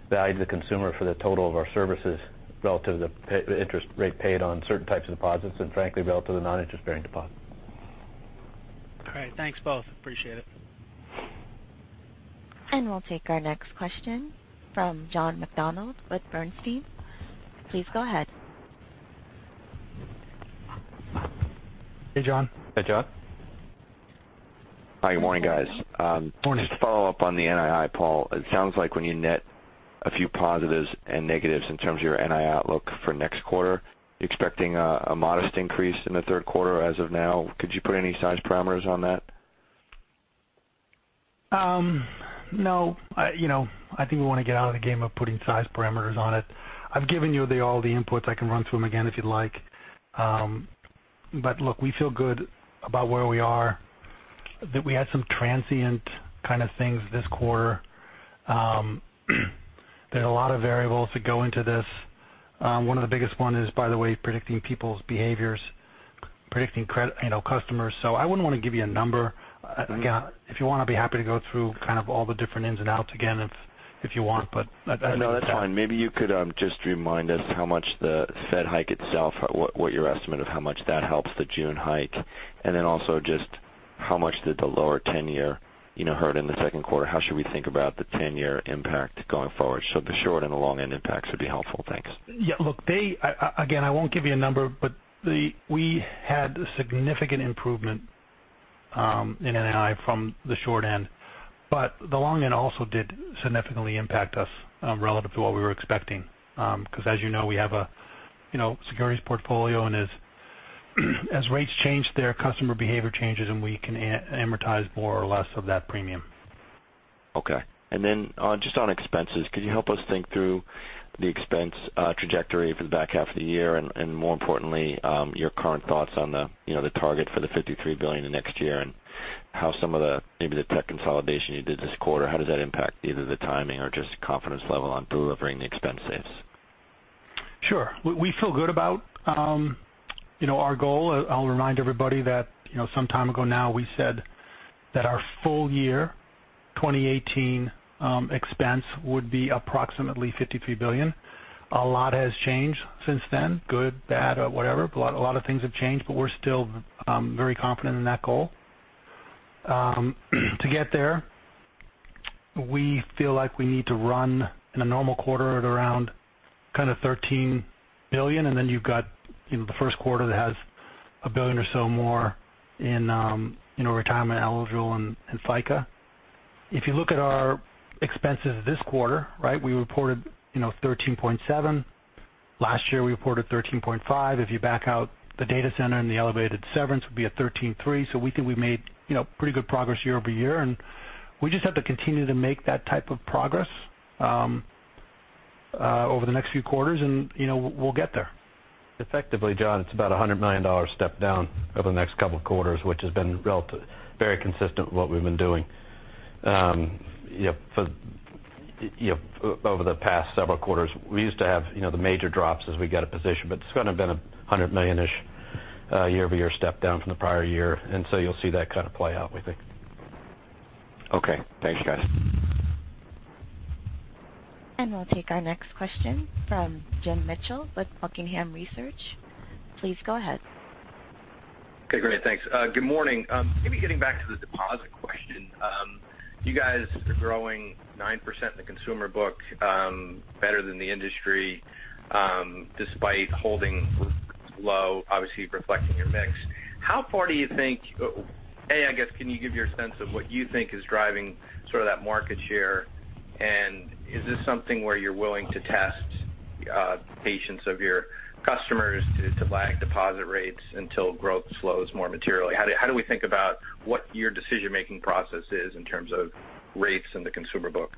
value to the consumer for the total of our services relative to the interest rate paid on certain types of deposits and frankly relative to non-interest-bearing deposits. All right. Thanks, both. Appreciate it. We'll take our next question from John McDonald with Bernstein. Please go ahead. Hey, John. Hey, John. Hi, good morning, guys. Morning. Just to follow up on the NII, Paul. It sounds like when you net a few positives and negatives in terms of your NII outlook for next quarter, expecting a modest increase in the third quarter as of now. Could you put any size parameters on that? No. I think we want to get out of the game of putting size parameters on it. I've given you all the inputs. I can run through them again if you'd like. Look, we feel good about where we are, that we had some transient kind of things this quarter. There's a lot of variables that go into this. One of the biggest one is, by the way, predicting people's behaviors, predicting customers. I wouldn't want to give you a number. Again, if you want, I'd be happy to go through kind of all the different ins and outs again if you want. No, that's fine. Maybe you could just remind us how much the Fed hike itself, what your estimate of how much that helps the June hike, and then also just how much did the lower tenor hurt in the second quarter. How should we think about the tenor impact going forward? The short- and the long-end impacts would be helpful. Thanks. Yeah. Look, again, I won't give you a number, but we had significant improvement in NII from the short end. The long end also did significantly impact us relative to what we were expecting. As you know, we have a securities portfolio, and as rates change, their customer behavior changes, and we can amortize more or less of that premium. Okay. Just on expenses, could you help us think through the expense trajectory for the back half of the year and more importantly, your current thoughts on the target for the $53 billion next year and how some of maybe the tech consolidation you did this quarter, how does that impact either the timing or just confidence level on delivering the expense saves? Sure. We feel good about our goal. I'll remind everybody that some time ago now, we said that our full year 2018 expense would be approximately $53 billion. A lot has changed since then. Good, bad, or whatever. A lot of things have changed. We're still very confident in that goal. To get there, we feel like we need to run in a normal quarter at around kind of $13 billion, and then you've got the first quarter that has a billion or so more in retirement eligible and FICA. If you look at our expenses this quarter, we reported $13.7 billion. Last year, we reported $13.5 billion. If you back out the data center and the elevated severance, we'd be at $13.3 billion. We think we made pretty good progress year-over-year, and we just have to continue to make that type of progress over the next few quarters, and we'll get there. Effectively, John, it's about $100 million step down over the next couple of quarters, which has been very consistent with what we've been doing over the past several quarters. We used to have the major drops as we get a position, but it's kind of been a $100 million-ish year-over-year step down from the prior year. You'll see that kind of play out, we think. Okay. Thanks, guys. We'll take our next question from Jim Mitchell with Buckingham Research. Please go ahead. Okay, great. Thanks. Good morning. Maybe getting back to the deposit question. You guys are growing 9% in the consumer book, better than the industry, despite holding low, obviously reflecting your mix. I guess, can you give your sense of what you think is driving that market share? Is this something where you're willing to test patience of your customers to lag deposit rates until growth slows more materially? How do we think about what your decision-making process is in terms of rates in the consumer book?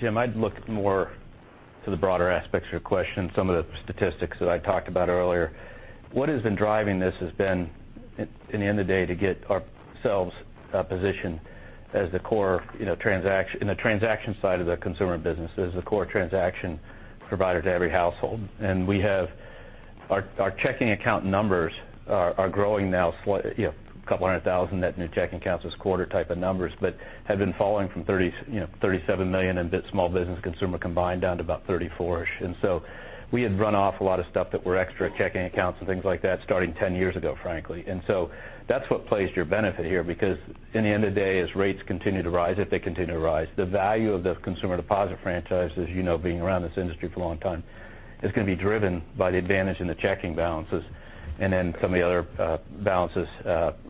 Jim, I'd look more to the broader aspects of your question, some of the statistics that I talked about earlier. What has been driving this has been, in the end of the day, to get ourselves positioned in the transaction side of the consumer business as the core transaction provider to every household. Our checking account numbers are growing now, 200,000 net new checking accounts this quarter type of numbers, but have been falling from $37 million in small business consumer combined down to about $34 million-ish. We had run off a lot of stuff that were extra checking accounts and things like that starting 10 years ago, frankly. That's what plays to your benefit here, because in the end of the day, as rates continue to rise, if they continue to rise, the value of the consumer deposit franchise, as you know, being around this industry for a long time, is going to be driven by the advantage in the checking balances. Then some of the other balances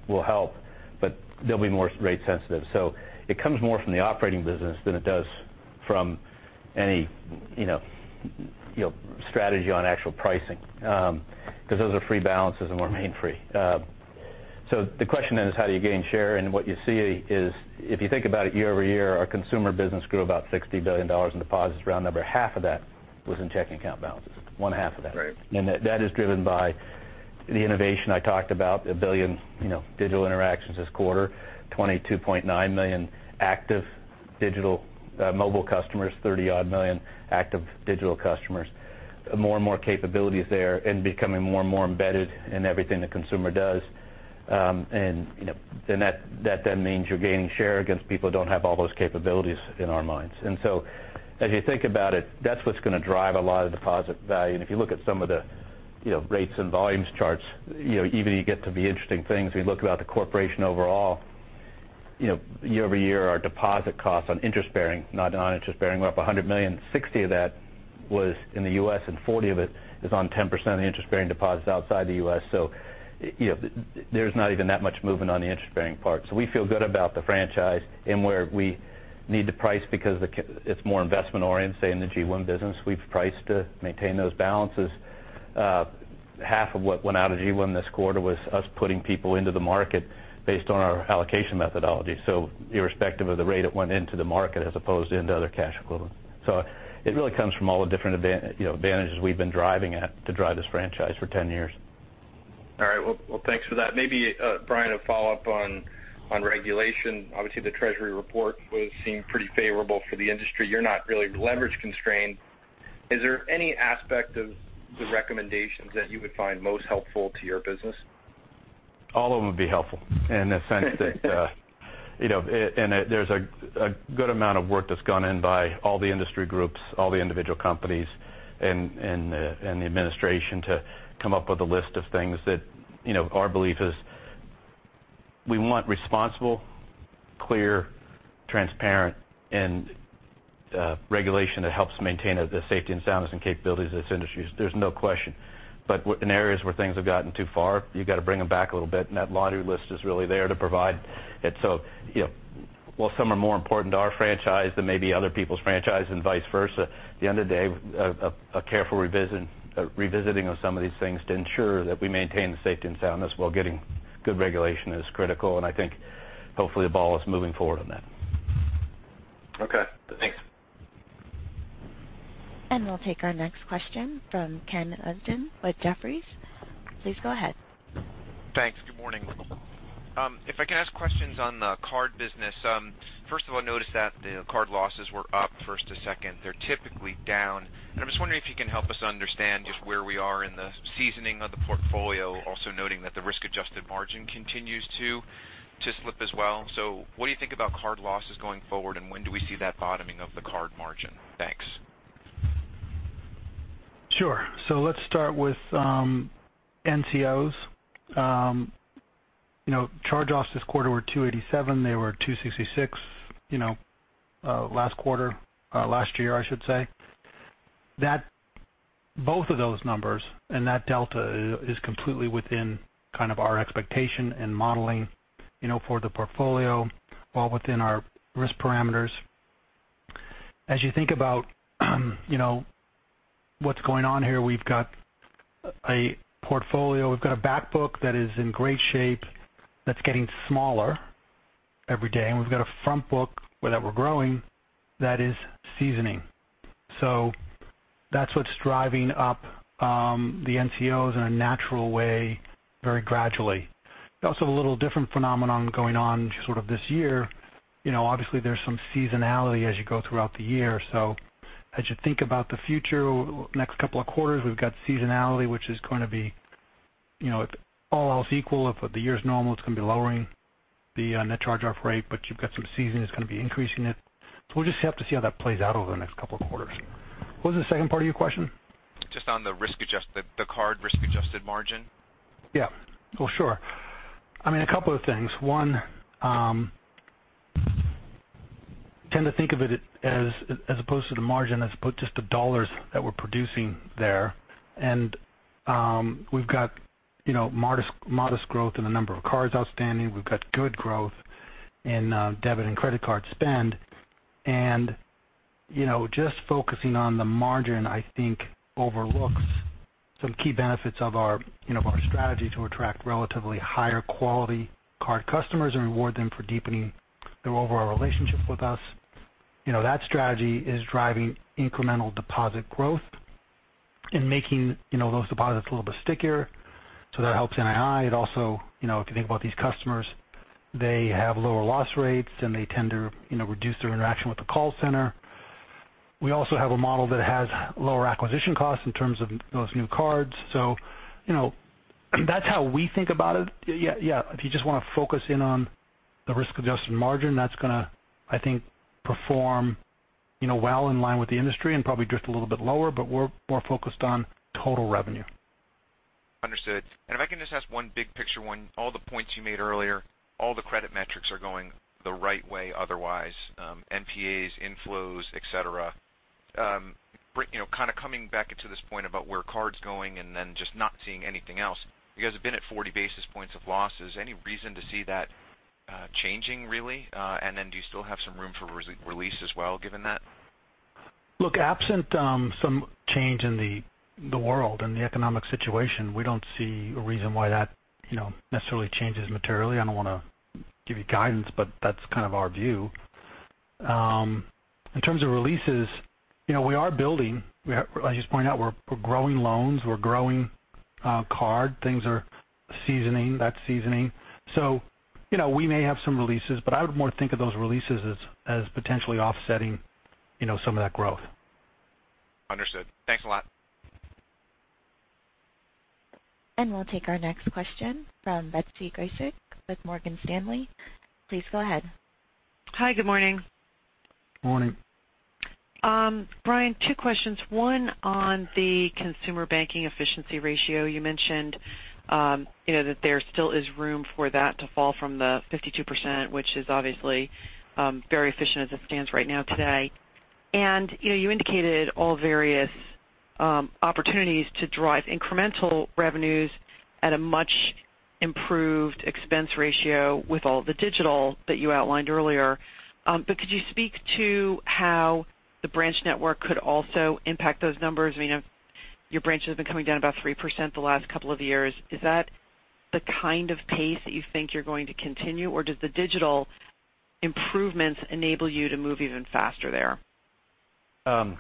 will help, but they'll be more rate sensitive. It comes more from the operating business than it does from any strategy on actual pricing, because those are free balances and we remain free. The question then is how do you gain share? What you see is, if you think about it year-over-year, our consumer business grew about $60 billion in deposits, round number. Half of that was in checking account balances. One half of that. Right. That is driven by the innovation I talked about, $1 billion digital interactions this quarter, $22.9 million active digital mobile customers, $30 odd million active digital customers. More and more capabilities there and becoming more and more embedded in everything the consumer does. That then means you're gaining share against people who don't have all those capabilities in our minds. As you think about it, that's what's going to drive a lot of deposit value. If you look at some of the rates and volumes charts, even you get to the interesting things. We look about the corporation overall, year-over-year, our deposit costs on interest-bearing, not non-interest-bearing, we're up $100 million. $60 million of that was in the U.S. and $40 million of it is on 10% of the interest-bearing deposits outside the U.S. There's not even that much movement on the interest-bearing part. We feel good about the franchise and where we need to price because it's more investment oriented. Say in the GWIM business, we've priced to maintain those balances. Half of what went out of GWIM this quarter was us putting people into the market based on our allocation methodology. Irrespective of the rate, it went into the market as opposed into other cash equivalents. It really comes from all the different advantages we've been driving at to drive this franchise for 10 years. All right. Well, thanks for that. Maybe, Brian, a follow-up on regulation. Obviously, the Treasury report would seem pretty favorable for the industry. You're not really leverage constrained. Is there any aspect of the recommendations that you would find most helpful to your business? All of them would be helpful in the sense that there's a good amount of work that's gone in by all the industry groups, all the individual companies, and the administration to come up with a list of things that our belief is we want responsible, clear, transparent, and regulation that helps maintain the safety and soundness and capabilities of this industry. There's no question. In areas where things have gotten too far, you've got to bring them back a little bit, that laundry list is really there to provide it. While some are more important to our franchise than maybe other people's franchise and vice versa, at the end of the day, a careful revisiting of some of these things to ensure that we maintain the safety and soundness while getting good regulation is critical, I think hopefully the ball is moving forward on that. Okay, thanks. We'll take our next question from Kenneth Usdin with Jefferies. Please go ahead. Thanks. Good morning. If I can ask questions on the card business. First of all, I noticed that the card losses were up first to second. They're typically down. I'm just wondering if you can help us understand just where we are in the seasoning of the portfolio, also noting that the risk-adjusted margin continues to slip as well. What do you think about card losses going forward, and when do we see that bottoming of the card margin? Thanks. Sure. Let's start with NCOs. Charge-offs this quarter were 287. They were 266 last year. Both of those numbers and that delta is completely within our expectation and modeling for the portfolio, well within our risk parameters. As you think about what's going on here, we've got a portfolio, we've got a back book that is in great shape that's getting smaller every day, and we've got a front book that we're growing that is seasoning. That's what's driving up the NCOs in a natural way very gradually. We also have a little different phenomenon going on this year. Obviously, there's some seasonality as you go throughout the year. As you think about the future, next couple of quarters, we've got seasonality which is going to be If all else equal, if the year is normal, it's going to be lowering the net charge-off rate, but you've got some seasoning that's going to be increasing it. We'll just have to see how that plays out over the next couple of quarters. What was the second part of your question? Just on the card risk-adjusted margin. Well, sure. A couple of things. One, tend to think of it as opposed to the margin, as opposed just the dollars that we're producing there. We've got modest growth in the number of cards outstanding. We've got good growth in debit and credit card spend. Just focusing on the margin, I think overlooks some key benefits of our strategy to attract relatively higher quality card customers and reward them for deepening their overall relationship with us. That strategy is driving incremental deposit growth and making those deposits a little bit stickier. That helps NII. It also, if you think about these customers, they have lower loss rates, and they tend to reduce their interaction with the call center. We also have a model that has lower acquisition costs in terms of those new cards. That's how we think about it. If you just want to focus in on the risk-adjusted margin, that's going to, I think, perform well in line with the industry and probably drift a little bit lower, we're more focused on total revenue. Understood. If I can just ask one big picture one. All the points you made earlier, all the credit metrics are going the right way otherwise, NPAs, inflows, et cetera. Coming back to this point about where card's going and then just not seeing anything else. You guys have been at 40 basis points of losses. Any reason to see that changing, really? Do you still have some room for release as well given that? Look, absent some change in the world and the economic situation, we don't see a reason why that necessarily changes materially. I don't want to give you guidance, but that's kind of our view. In terms of releases, we are building. I just pointed out we're growing loans, we're growing card. Things are seasoning. That's seasoning. We may have some releases, but I would more think of those releases as potentially offsetting some of that growth. Understood. Thanks a lot. We'll take our next question from Betsy Graseck with Morgan Stanley. Please go ahead. Hi. Good morning. Morning. Brian, two questions. One on the Consumer Banking efficiency ratio. You mentioned that there still is room for that to fall from the 52%, which is obviously very efficient as it stands right now today. You indicated all various opportunities to drive incremental revenues at a much improved expense ratio with all the digital that you outlined earlier. Could you speak to how the branch network could also impact those numbers? Your branches have been coming down about 3% the last couple of years. Is that the kind of pace that you think you're going to continue, or does the digital improvements enable you to move even faster there? Well,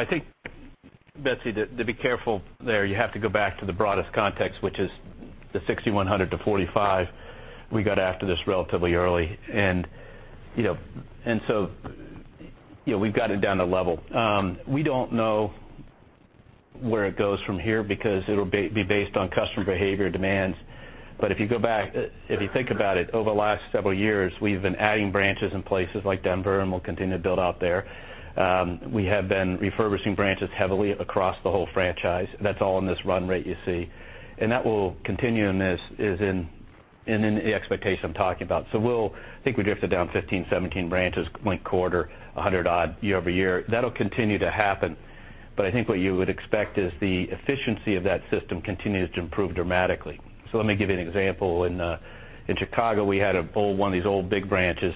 I think, Betsy, to be careful there, you have to go back to the broadest context, which is the 6,100 to 4500. We got after this relatively early. We've got it down a level. We don't know where it goes from here because it'll be based on customer behavior demands. If you think about it, over the last several years, we've been adding branches in places like Denver, and we'll continue to build out there. We have been refurbishing branches heavily across the whole franchise. That's all in this run rate you see. That will continue and is in the expectation I'm talking about. I think we drifted down 15, 17 branches linked quarter, 100 odd year-over-year. That'll continue to happen. I think what you would expect is the efficiency of that system continues to improve dramatically. Let me give you an example. In Chicago, we had one of these old big branches.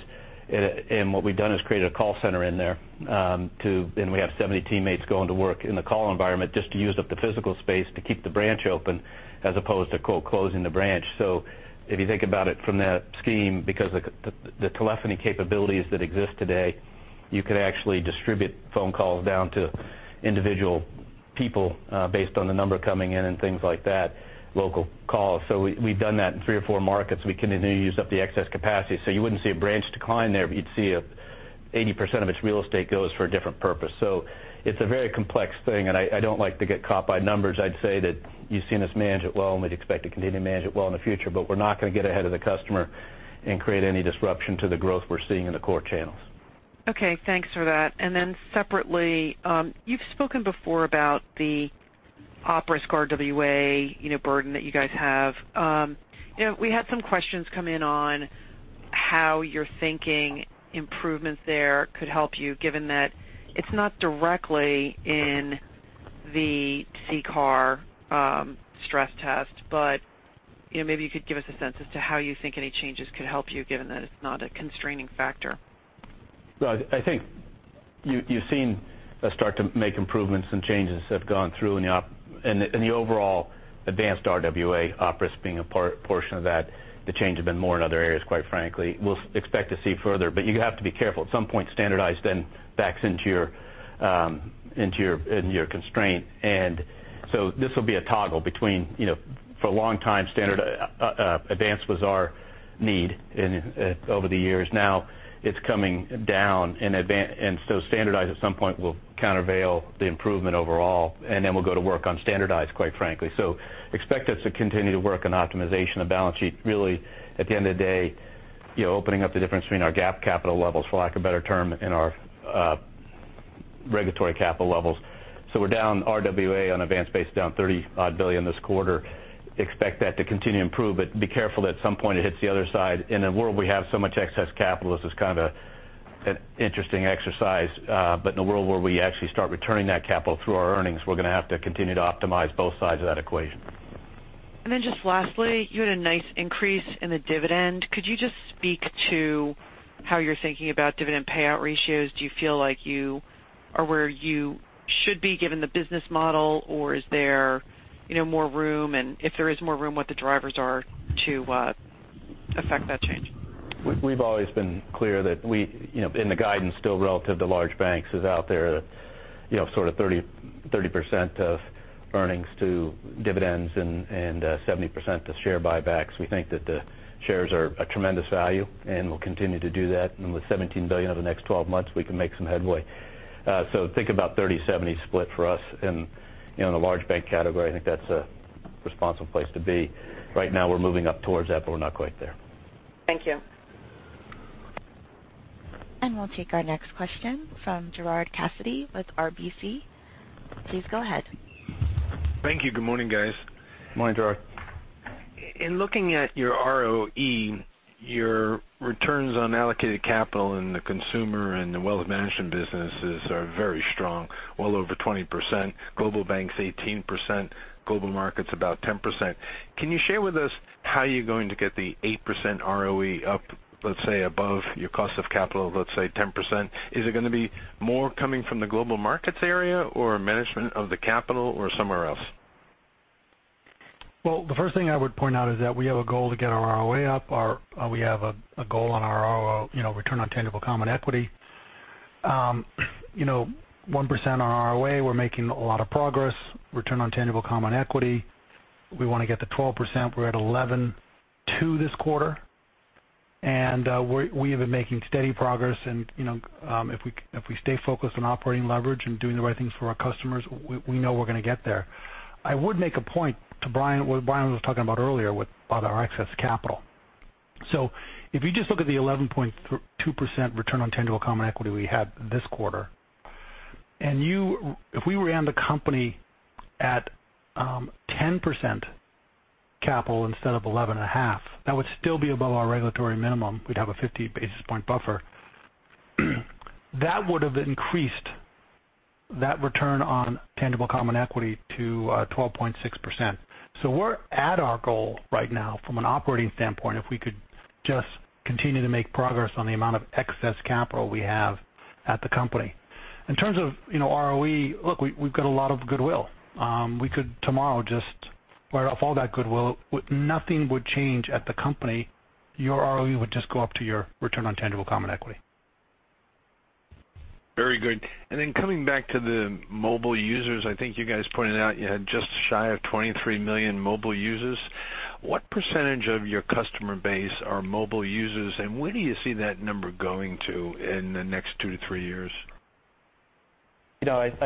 What we've done is created a call center in there. We have 70 teammates going to work in the call environment just to use up the physical space to keep the branch open as opposed to quote, closing the branch. If you think about it from that scheme, because the telephony capabilities that exist today, you could actually distribute phone calls down to individual people based on the number coming in and things like that, local calls. We've done that in three or four markets. We continue to use up the excess capacity. You wouldn't see a branch decline there, but you'd see 80% of its real estate goes for a different purpose. It's a very complex thing, and I don't like to get caught by numbers. I'd say that you've seen us manage it well, and we'd expect to continue to manage it well in the future. We're not going to get ahead of the customer and create any disruption to the growth we're seeing in the core channels. Okay, thanks for that. Separately, you've spoken before about the OPRIS RWA burden that you guys have. We had some questions come in on how you're thinking improvements there could help you given that it's not directly in the CCAR stress test. Maybe you could give us a sense as to how you think any changes could help you given that it's not a constraining factor. Well, I think you've seen us start to make improvements and changes have gone through in the overall advanced RWA OpRisk being a portion of that. The change has been more in other areas, quite frankly. We'll expect to see further. You have to be careful. At some point, standardized then backs into your constraint. This will be a toggle between, for a long time, advanced was our need over the years. Now it's coming down. Standardized at some point will countervail the improvement overall. Then we'll go to work on standardized, quite frankly. Expect us to continue to work on optimization of balance sheet. Really, at the end of the day Opening up the difference between our GAAP capital levels, for lack of a better term, and our regulatory capital levels. We're down RWA on advanced base, down $30-odd billion this quarter. Expect that to continue to improve but be careful that at some point it hits the other side. In a world we have so much excess capital, this is kind of an interesting exercise. In a world where we actually start returning that capital through our earnings, we're going to have to continue to optimize both sides of that equation. Lastly, you had a nice increase in the dividend. Could you just speak to how you're thinking about dividend payout ratios? Do you feel like you are where you should be given the business model, or is there more room, and if there is more room, what the drivers are to affect that change? We've always been clear that in the guidance still relative to large banks is out there, sort of 30% of earnings to dividends and 70% to share buybacks. We think that the shares are a tremendous value, and we'll continue to do that. With $17 billion over the next 12 months, we can make some headway. Think about 30/70 split for us in the large bank category. I think that's a responsible place to be. Right now, we're moving up towards that, we're not quite there. Thank you. We'll take our next question from Gerard Cassidy with RBC. Please go ahead. Thank you. Good morning, guys. Morning, Gerard. In looking at your ROE, your returns on allocated capital and the consumer and the wealth management businesses are very strong, well over 20%. Global Banks, 18%. Global Markets, about 10%. Can you share with us how you're going to get the 8% ROE up, let's say, above your cost of capital of, let's say, 10%? Is it going to be more coming from the Global Markets area or management of the capital, or somewhere else? Well, the first thing I would point out is that we have a goal to get our ROA up. We have a goal on our return on tangible common equity. 1% on ROA, we're making a lot of progress. Return on tangible common equity, we want to get to 12%. We're at 11.2% this quarter. We have been making steady progress and if we stay focused on operating leverage and doing the right things for our customers, we know we're going to get there. I would make a point to what Brian was talking about earlier about our excess capital. If you just look at the 11.2% return on tangible common equity we had this quarter, and if we ran the company at 10% capital instead of 11.5%, that would still be above our regulatory minimum. We'd have a 50 basis point buffer. That would have increased that return on tangible common equity to 12.6%. We're at our goal right now from an operating standpoint, if we could just continue to make progress on the amount of excess capital we have at the company. In terms of ROE, look, we've got a lot of goodwill. We could tomorrow just write off all that goodwill. Nothing would change at the company. Your ROE would just go up to your return on tangible common equity. Very good. Coming back to the mobile users, I think you guys pointed out you had just shy of 23 million mobile users. What percentage of your customer base are mobile users, and where do you see that number going to in the next two to three years? Gerard,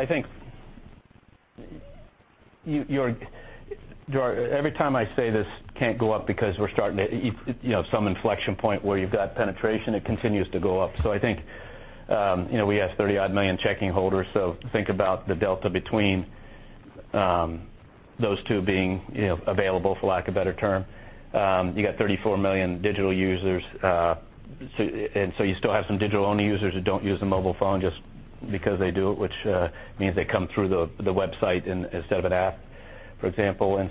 every time I say this can't go up because we're starting to some inflection point where you've got penetration, it continues to go up. I think we have 30-odd million checking holders. Think about the delta between those two being available, for lack of a better term. You got 34 million digital users. You still have some digital-only users who don't use a mobile phone just because they do it, which means they come through the website instead of an app, for example.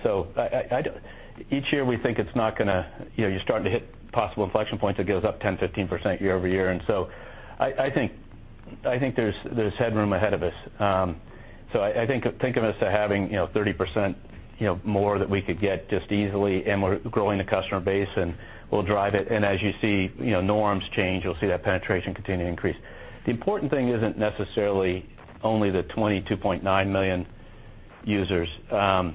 Each year we think you're starting to hit possible inflection points. It goes up 10%-15% year-over-year. I think there's headroom ahead of us. I think of us as having 30% more that we could get just easily, and we're growing the customer base, and we'll drive it. As you see norms change, you'll see that penetration continue to increase. The important thing isn't necessarily only the 22.9 million users. The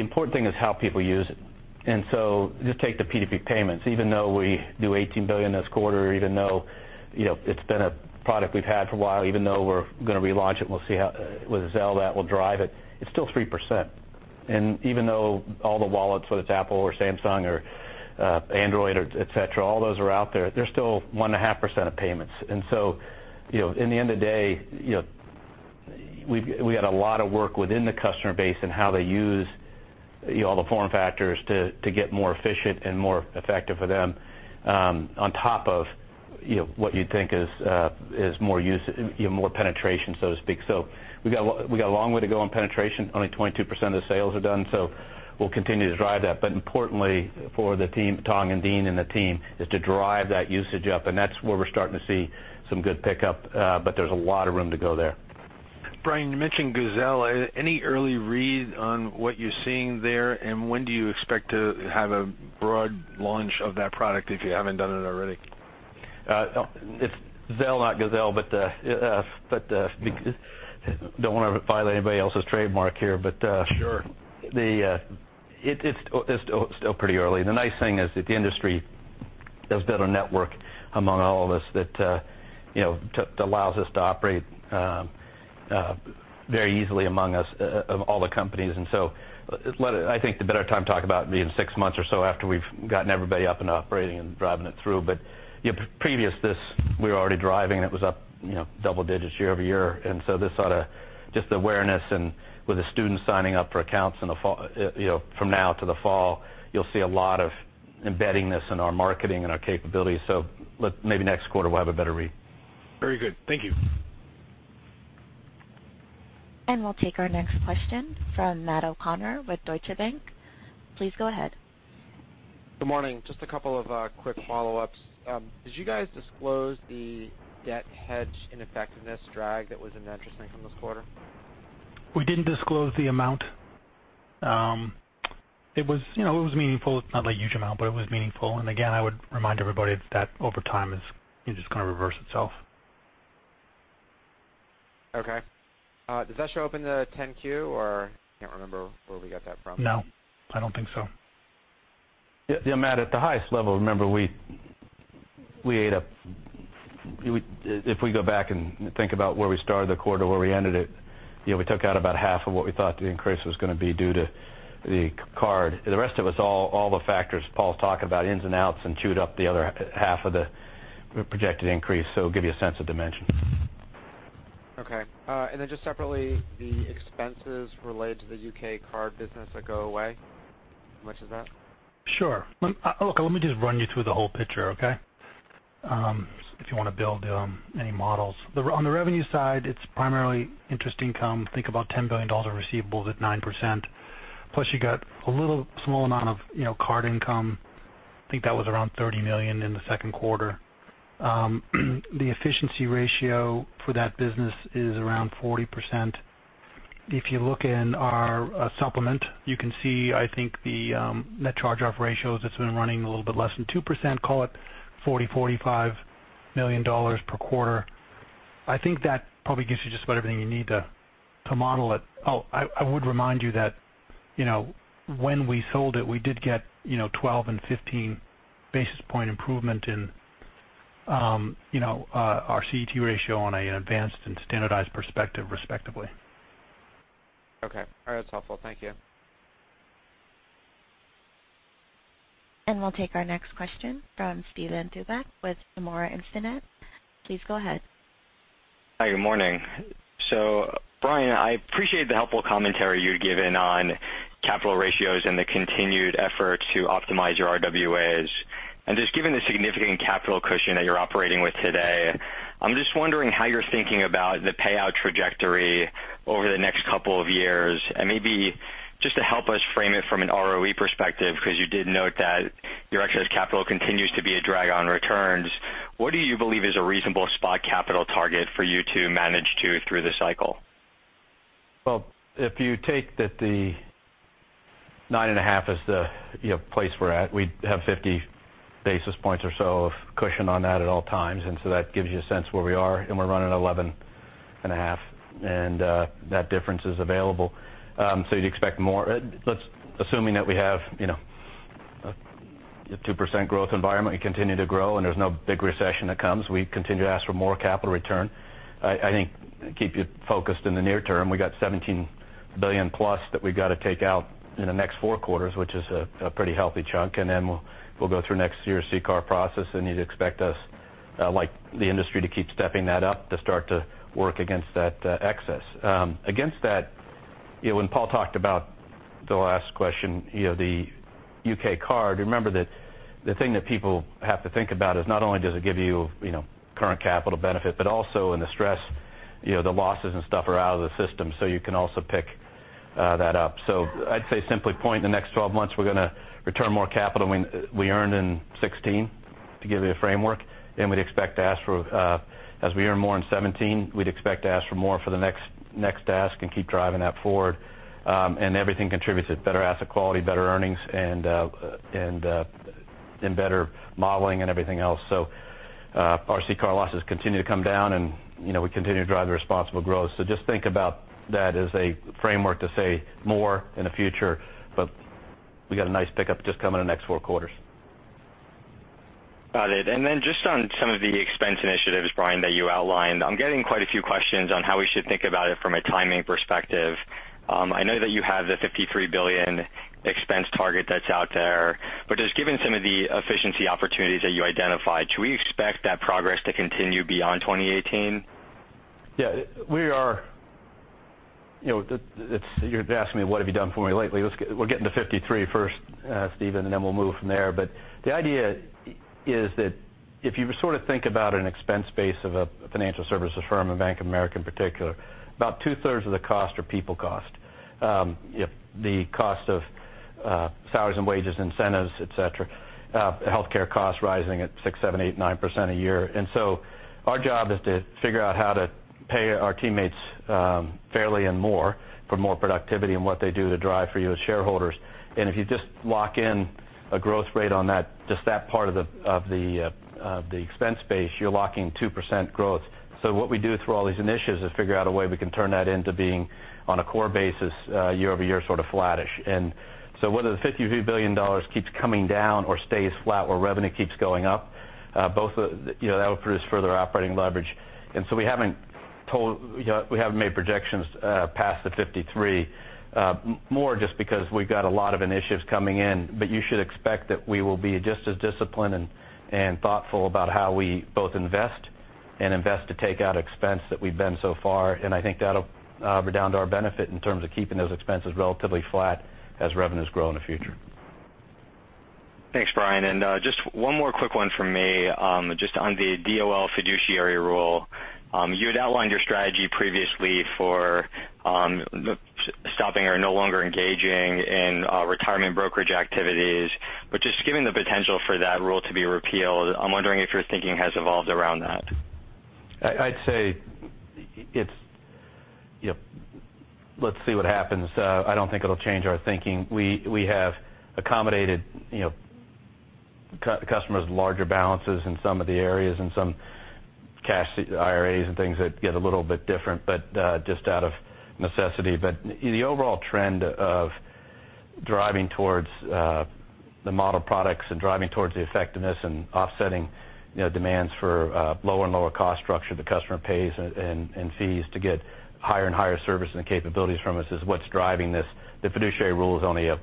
important thing is how people use it. Just take the P2P payments. Even though we do $18 billion this quarter, even though it's been a product we've had for a while, even though we're going to relaunch it with Zelle, that will drive it. It's still 3%. Even though all the wallets, whether it's Apple or Samsung or Android, et cetera, all those are out there, they're still 1.5% of payments. In the end of the day, we had a lot of work within the customer base and how they use all the form factors to get more efficient and more effective for them on top of what you'd think is more penetration, so to speak. We got a long way to go on penetration. Only 22% of the sales are done. We'll continue to drive that. Importantly for the team, Thong and Dean and the team, is to drive that usage up, and that's where we're starting to see some good pickup. There's a lot of room to go there. Brian, you mentioned Zelle. Any early read on what you're seeing there, and when do you expect to have a broad launch of that product if you haven't done it already? It's Zelle, not Zelle. Don't want to violate anybody else's trademark here. Sure It's still pretty early. The nice thing is that there's been a network among all of us that allows us to operate very easily among us, of all the companies. I think the better time to talk about it will be in 6 months or so after we've gotten everybody up and operating and driving it through. Previous to this, we were already driving, and it was up double digits year-over-year. This sort of just the awareness and with the students signing up for accounts from now to the fall, you'll see a lot of embedding this in our marketing and our capabilities. Maybe next quarter, we'll have a better read. Very good. Thank you. We'll take our next question from Matthew O'Connor with Deutsche Bank. Please go ahead. Good morning. Just a couple of quick follow-ups. Did you guys disclose the debt hedge ineffectiveness drag that was in net interest income this quarter? We didn't disclose the amount. It was meaningful. It's not a huge amount, but it was meaningful. Again, I would remind everybody that over time, it's just going to reverse itself. Okay. Does that show up in the 10-Q, or can't remember where we got that from? No, I don't think so. Yeah, Matt, at the highest level, remember, if we go back and think about where we started the quarter, where we ended it, we took out about half of what we thought the increase was going to be due to the card. The rest of it is all the factors Paul's talking about, ins and outs, and chewed up the other half of the projected increase. It'll give you a sense of dimension. Okay. Just separately, the expenses related to the U.K. card business that go away, how much is that? Sure. Look, let me just run you through the whole picture, okay? If you want to build any models. On the revenue side, it's primarily interest income. Think about $10 billion of receivables at 9%, plus you got a little small amount of card income. I think that was around $30 million in the second quarter. The efficiency ratio for that business is around 40%. If you look in our supplement, you can see, I think, the net charge-off ratios, it's been running a little bit less than 2%, call it $40 million, $45 million per quarter. I think that probably gives you just about everything you need to model it. Oh, I would remind you that when we sold it, we did get 12 and 15 basis point improvement in our CET ratio on an advanced and standardized perspective, respectively. Okay. All right. That's helpful. Thank you. We'll take our next question from Steven Chubak with Nomura Instinet. Please go ahead. Hi, good morning. Brian, I appreciate the helpful commentary you've given on capital ratios and the continued effort to optimize your RWAs. Just given the significant capital cushion that you're operating with today, I'm just wondering how you're thinking about the payout trajectory over the next couple of years. Maybe just to help us frame it from an ROE perspective, because you did note that your excess capital continues to be a drag on returns. What do you believe is a reasonable spot capital target for you to manage to through the cycle? If you take that the 9.5 is the place we're at, we have 50 basis points or so of cushion on that at all times. That gives you a sense where we are, and we're running at 11.5, and that difference is available. You'd expect more. Assuming that we have a 2% growth environment, we continue to grow, and there's no big recession that comes, we continue to ask for more capital return. I think, keep you focused in the near term, we got $17 billion plus that we've got to take out in the next four quarters, which is a pretty healthy chunk. Then we'll go through next year's CCAR process, and you'd expect us, like the industry, to keep stepping that up to start to work against that excess. Against that, when Paul talked about the last question, the U.K. card, remember that the thing that people have to think about is not only does it give you current capital benefit, but also in the stress, the losses and stuff are out of the system, so you can also pick that up. I'd say simply point in the next 12 months, we're going to return more capital than we earned in 2016, to give you a framework. We'd expect to ask for, as we earn more in 2017, we'd expect to ask for more for the next ask and keep driving that forward. Everything contributes. It's better asset quality, better earnings, and better modeling and everything else. Our CCAR losses continue to come down, and we continue to drive the responsible growth. Just think about that as a framework to say more in the future, but we got a nice pickup just coming in the next four quarters. Got it. Just on some of the expense initiatives, Brian, that you outlined, I'm getting quite a few questions on how we should think about it from a timing perspective. I know that you have the $53 billion expense target that's out there. Just given some of the efficiency opportunities that you identified, should we expect that progress to continue beyond 2018? Yeah. You're asking me, what have you done for me lately? We're getting to 53 first, Steven, then we'll move from there. The idea is that if you sort of think about an expense base of a financial services firm, and Bank of America in particular, about two-thirds of the cost are people cost. The cost of salaries and wages, incentives, et cetera. Healthcare costs rising at six, seven, eight, 9% a year. Our job is to figure out how to pay our teammates fairly and more for more productivity and what they do to drive for you as shareholders. If you just lock in a growth rate on just that part of the expense base, you're locking 2% growth. What we do through all these initiatives is figure out a way we can turn that into being on a core basis, year-over-year, sort of flat-ish. Whether the $53 billion keeps coming down or stays flat where revenue keeps going up, that will produce further operating leverage. We haven't made projections past the 53. More just because we've got a lot of initiatives coming in. You should expect that we will be just as disciplined and thoughtful about how we both invest, and invest to take out expense that we've been so far. I think that'll redound to our benefit in terms of keeping those expenses relatively flat as revenues grow in the future. Thanks, Brian. Just one more quick one from me. Just on the DOL fiduciary rule. You had outlined your strategy previously for stopping or no longer engaging in retirement brokerage activities. Just given the potential for that rule to be repealed, I'm wondering if your thinking has evolved around that. I'd say let's see what happens. I don't think it'll change our thinking. We have accommodated customers' larger balances in some of the areas, in some cash IRAs and things that get a little bit different, but just out of necessity. The overall trend of driving towards the model products and driving towards the effectiveness and offsetting demands for lower and lower cost structure, the customer pays in fees to get higher and higher service and capabilities from us is what's driving this. The fiduciary rule is only a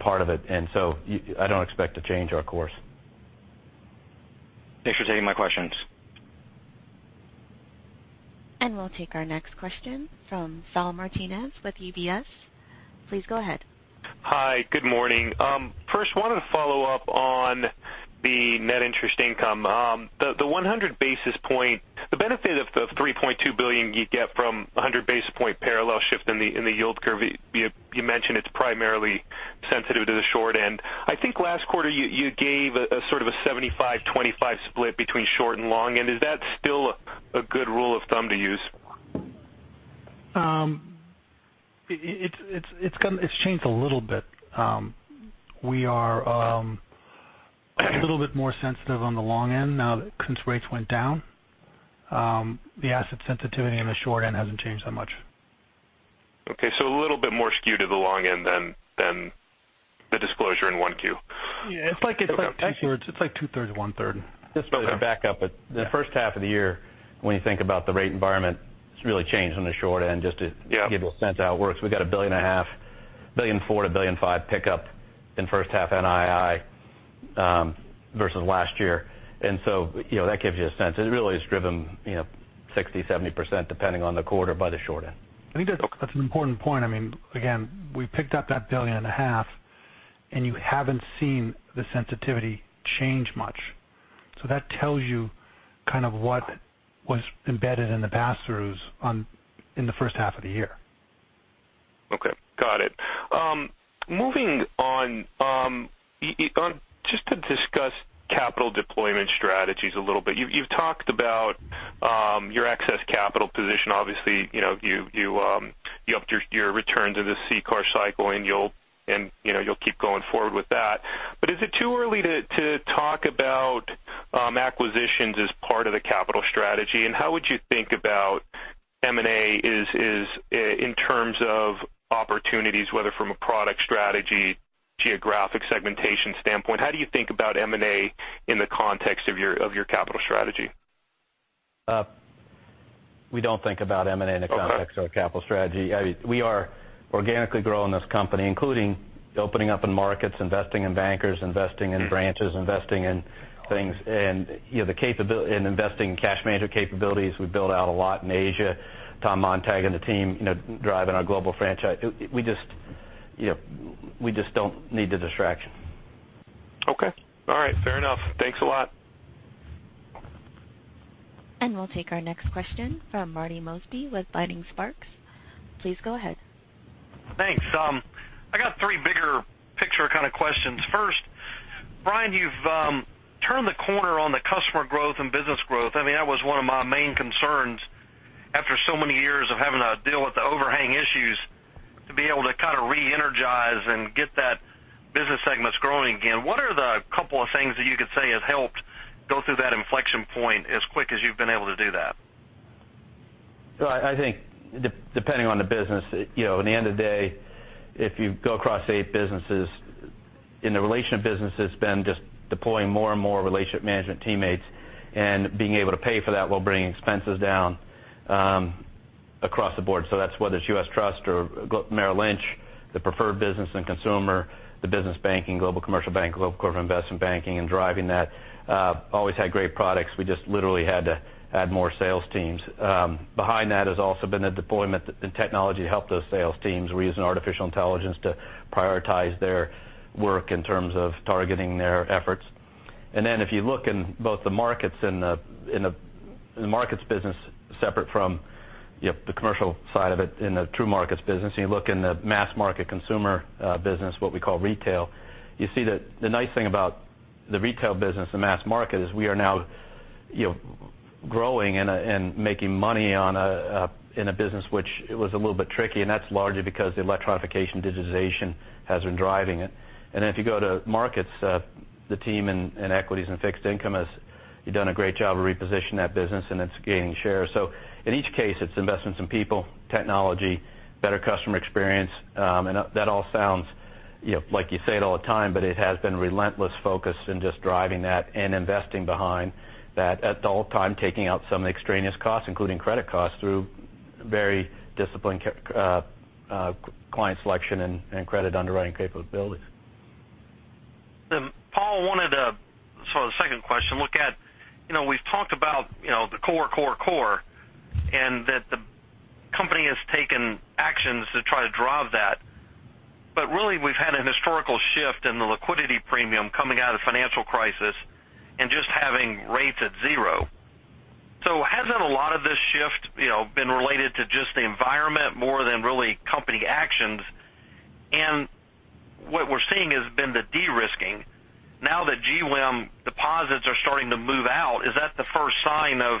part of it, I don't expect to change our course. Thanks for taking my questions. We'll take our next question from Saul Martinez with UBS. Please go ahead. Hi. Good morning. First, wanted to follow up on the net interest income. The benefit of the $3.2 billion you'd get from 100-basis point parallel shift in the yield curve, you mentioned it's primarily sensitive to the short end. I think last quarter you gave a sort of a 75/25 split between short and long, is that still a good rule of thumb to use? It's changed a little bit. We are a little bit more sensitive on the long end now that since rates went down. The asset sensitivity on the short end hasn't changed that much. Okay, a little bit more skewed to the long end than the disclosure in 1Q. Yeah. It's like two-thirds, one-third. Just to back up, the first half of the year, when you think about the rate environment, it's really changed on the short end. Yeah To give you a sense of how it works. We got a billion and a half, a $1.4 billion-$1.5 billion pickup in first half NII versus last year. That gives you a sense. It really is driven 60%-70% depending on the quarter by the short end. That's an important point. We picked up that billion and a half, and you haven't seen the sensitivity change much. That tells you kind of what was embedded in the pass-throughs in the first half of the year. Okay. Got it. Moving on. Just to discuss capital deployment strategies a little bit. You've talked about your excess capital position. Obviously, you upped your return to the CCAR cycle and you'll keep going forward with that. Is it too early to talk about acquisitions as part of the capital strategy? How would you think about M&A in terms of opportunities, whether from a product strategy, geographic segmentation standpoint? How do you think about M&A in the context of your capital strategy? We don't think about M&A in the context- Okay Of our capital strategy. We are organically growing this company, including opening up in markets, investing in bankers, investing in branches, investing in things, and investing in cash management capabilities. We built out a lot in Asia. Tom Montag and the team driving our global franchise. We just don't need the distraction. Okay. All right. Fair enough. Thanks a lot. We'll take our next question from Marty Mosby with Vining Sparks. Please go ahead. Thanks. I got three bigger picture kind of questions. First, Brian, you've turned the corner on the customer growth and business growth. That was one of my main concerns after so many years of having to deal with the overhang issues, to be able to kind of reenergize and get that business segments growing again. What are the couple of things that you could say have helped go through that inflection point as quick as you've been able to do that? I think depending on the business, at the end of the day, if you go across eight businesses, in the relation business it's been just deploying more and more relationship management teammates and being able to pay for that while bringing expenses down across the board. That's whether it's U.S. Trust or Merrill Lynch, the preferred business and consumer, the business banking, global commercial bank, global corporate investment banking, and driving that. Always had great products. We just literally had to add more sales teams. Behind that has also been a deployment in technology to help those sales teams. We're using artificial intelligence to prioritize their work in terms of targeting their efforts. If you look in both the markets business separate from the commercial side of it, in the true markets business, and you look in the mass market consumer business, what we call retail, you see that the nice thing about the retail business, the mass market, is we are now growing and making money in a business which it was a little bit tricky, and that's largely because the electronification digitization has been driving it. If you go to markets, the team in equities and fixed income has done a great job of repositioning that business, and it's gaining share. In each case, it's investments in people, technology, better customer experience. That all sounds like you say it all the time, but it has been relentless focus in just driving that and investing behind that. At the whole time, taking out some extraneous costs, including credit costs through very disciplined client selection and credit underwriting capabilities. Paul wanted to, sort of second question, look at, we've talked about the core, core, and that the company has taken actions to try to drive that. We've had an historical shift in the liquidity premium coming out of the financial crisis and just having rates at 0. Hasn't a lot of this shift been related to just the environment more than really company actions? What we're seeing has been the de-risking. Now that GWIM deposits are starting to move out, is that the first sign of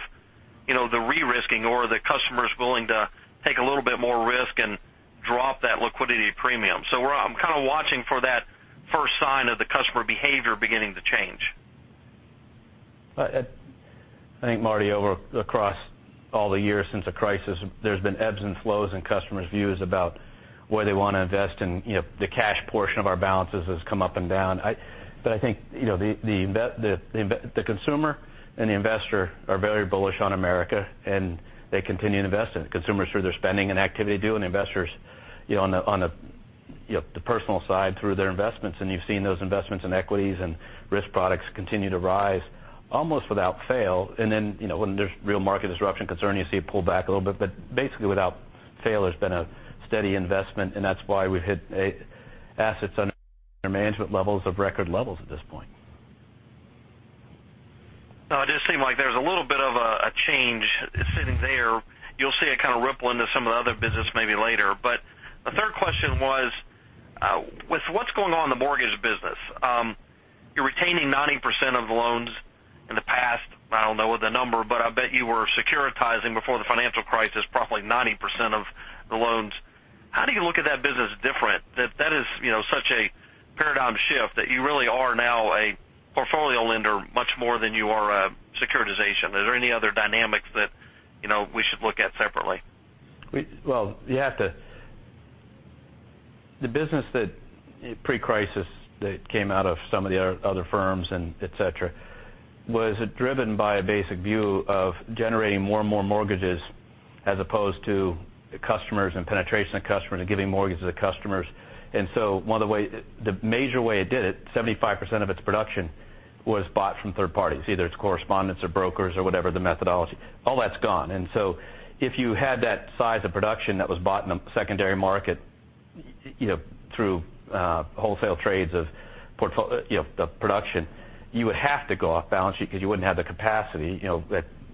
the re-risking or are the customers willing to take a little bit more risk and drop that liquidity premium? I'm kind of watching for that first sign of the customer behavior beginning to change. I think, Marty, over across all the years since the crisis, there's been ebbs and flows in customers' views about where they want to invest in. The cash portion of our balances has come up and down. I think the consumer and the investor are very bullish on America, and they continue to invest in it. Consumers through their spending and activity do, and investors on the personal side through their investments. You've seen those investments in equities and risk products continue to rise almost without fail. When there's real market disruption concern, you see it pull back a little bit. Basically without fail, there's been a steady investment, and that's why we've hit assets under management levels of record levels at this point. It does seem like there's a little bit of a change sitting there. You'll see it kind of ripple into some of the other business maybe later. The third question was, with what's going on in the mortgage business, you're retaining 90% of the loans. In the past, I don't know the number, but I bet you were securitizing before the financial crisis, probably 90% of the loans. How do you look at that business different? That is such a paradigm shift that you really are now a portfolio lender much more than you are a securitization. Are there any other dynamics that we should look at separately? Well, the business that pre-crisis that came out of some of the other firms and et cetera, was driven by a basic view of generating more and more mortgages as opposed to customers and penetration of customers and giving mortgages to customers. The major way it did it, 75% of its production was bought from third parties, either it's correspondents or brokers or whatever the methodology. All that's gone. If you had that size of production that was bought in the secondary market through wholesale trades of production, you would have to go off balance sheet because you wouldn't have the capacity.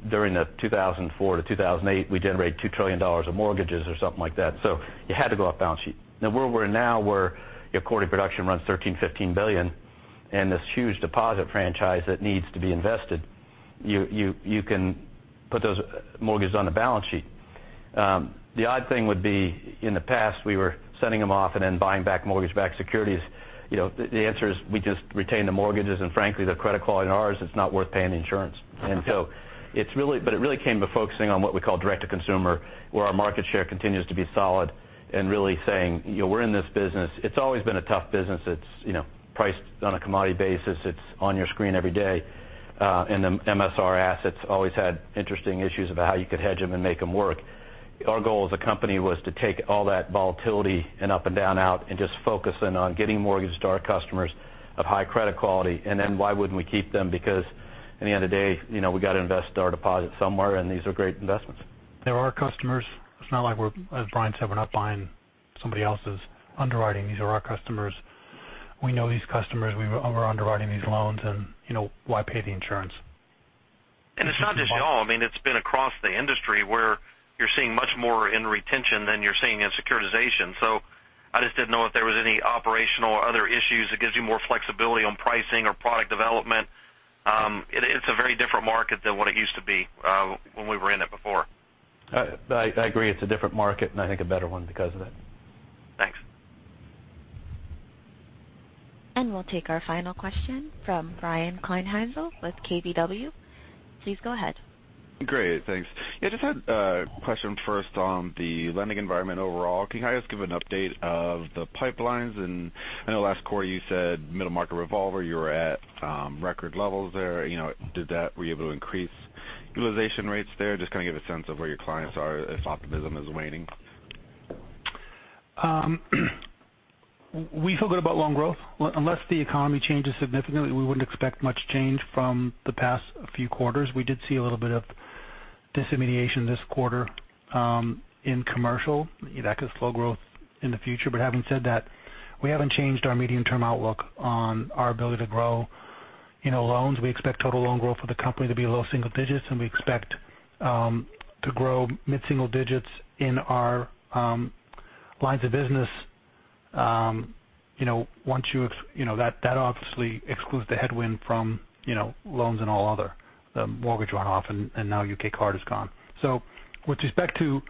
During the 2004 to 2008, we generated $2 trillion of mortgages or something like that. You had to go off balance sheet. Now where we're now, where your quarterly production runs $13 billion, $15 billion, and this huge deposit franchise that needs to be invested, you can put those mortgages on the balance sheet. The odd thing would be, in the past, we were sending them off and then buying back mortgage-backed securities. The answer is we just retain the mortgages, and frankly, the credit quality on ours is not worth paying the insurance. It really came to focusing on what we call direct to consumer, where our market share continues to be solid and really saying, we're in this business. It's always been a tough business. It's priced on a commodity basis. It's on your screen every day. The MSR assets always had interesting issues about how you could hedge them and make them work. Our goal as a company was to take all that volatility and up and down out and just focus in on getting mortgages to our customers of high credit quality. Why wouldn't we keep them? Because at the end of the day, we've got to invest our deposits somewhere, and these are great investments. They're our customers. It's not like we're, as Brian said, we're not buying somebody else's underwriting. These are our customers. We know these customers. We're underwriting these loans, why pay the insurance? It's not just y'all. It's been across the industry where you're seeing much more in retention than you're seeing in securitization. I just didn't know if there was any operational or other issues that gives you more flexibility on pricing or product development. It's a very different market than what it used to be when we were in it before. I agree. It's a different market, and I think a better one because of it. Thanks. We'll take our final question from Brian Kleinhanzl with KBW. Please go ahead. Great. Thanks. Just had a question first on the lending environment overall. Can you guys give an update of the pipelines? I know last quarter you said middle market revolver, you were at record levels there. Were you able to increase utilization rates there? Just kind of give a sense of where your clients are if optimism is waning. We feel good about loan growth. Unless the economy changes significantly, we wouldn't expect much change from the past few quarters. We did see a little bit of disintermediation this quarter in commercial. That could slow growth in the future. Having said that, we haven't changed our medium-term outlook on our ability to grow loans. We expect total loan growth for the company to be low single digits, and we expect to grow mid-single digits in our lines of business. That obviously excludes the headwind from loans in all other, the mortgage runoff, and now U.K. card is gone. With respect to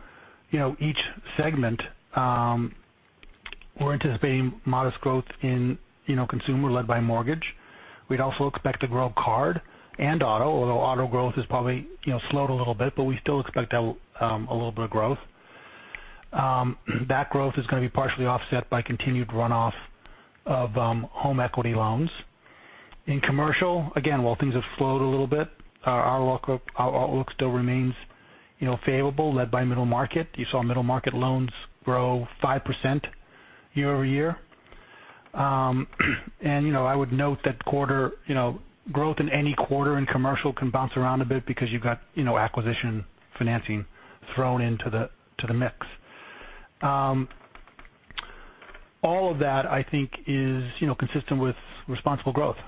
each segment, we're anticipating modest growth in Consumer led by mortgage. We'd also expect to grow card and auto, although auto growth has probably slowed a little bit, but we still expect a little bit of growth. That growth is going to be partially offset by continued runoff of home equity loans. In commercial, again, while things have slowed a little bit, our outlook still remains favorable, led by middle market. You saw middle market loans grow 5% year-over-year. I would note that growth in any quarter in commercial can bounce around a bit because you've got acquisition financing thrown into the mix. All of that, I think, is consistent with responsible growth.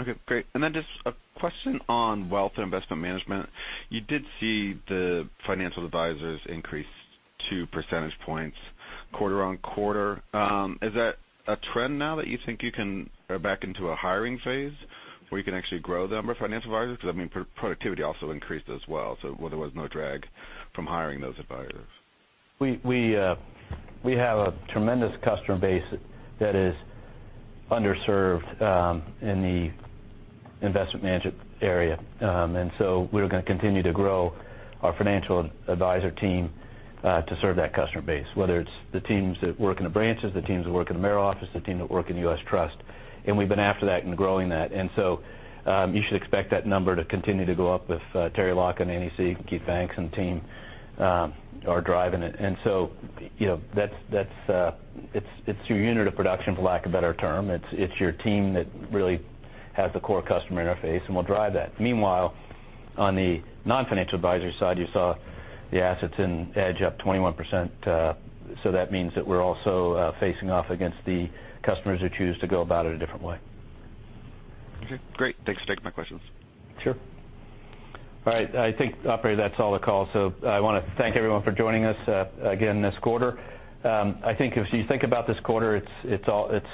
Okay, great. Just a question on Wealth and Investment Management. You did see the financial advisors increase two percentage points quarter-on-quarter. Is that a trend now that you think you can go back into a hiring phase where you can actually grow the number of financial advisors? Productivity also increased as well, so there was no drag from hiring those advisors. We have a tremendous customer base that is underserved in the investment management area. We're going to continue to grow our financial advisor team to serve that customer base, whether it's the teams that work in the branches, the teams that work in the Merrill office, the team that work in U.S. Trust. We've been after that and growing that. You should expect that number to continue to go up with Terry Laughlin and Andy Sieg and Keith Banks and team are driving it. It's your unit of production, for lack of a better term. It's your team that really has the core customer interface and will drive that. Meanwhile, on the non-financial advisory side, you saw the assets in Merrill Edge up 21%. That means that we're also facing off against the customers who choose to go about it a different way. Okay, great. Thanks for taking my questions. Sure. All right. I think, operator, that's all the calls. I want to thank everyone for joining us again this quarter. I think if you think about this quarter, it's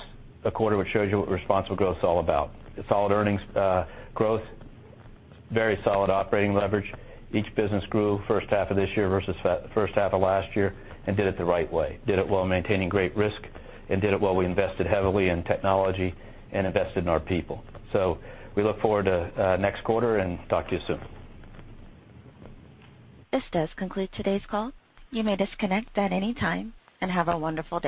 a quarter which shows you what responsible growth is all about. Solid earnings growth, very solid operating leverage. Each business grew first half of this year versus first half of last year and did it the right way, did it while maintaining great risk, and did it while we invested heavily in technology and invested in our people. We look forward to next quarter and talk to you soon. This does conclude today's call. You may disconnect at any time, and have a wonderful day.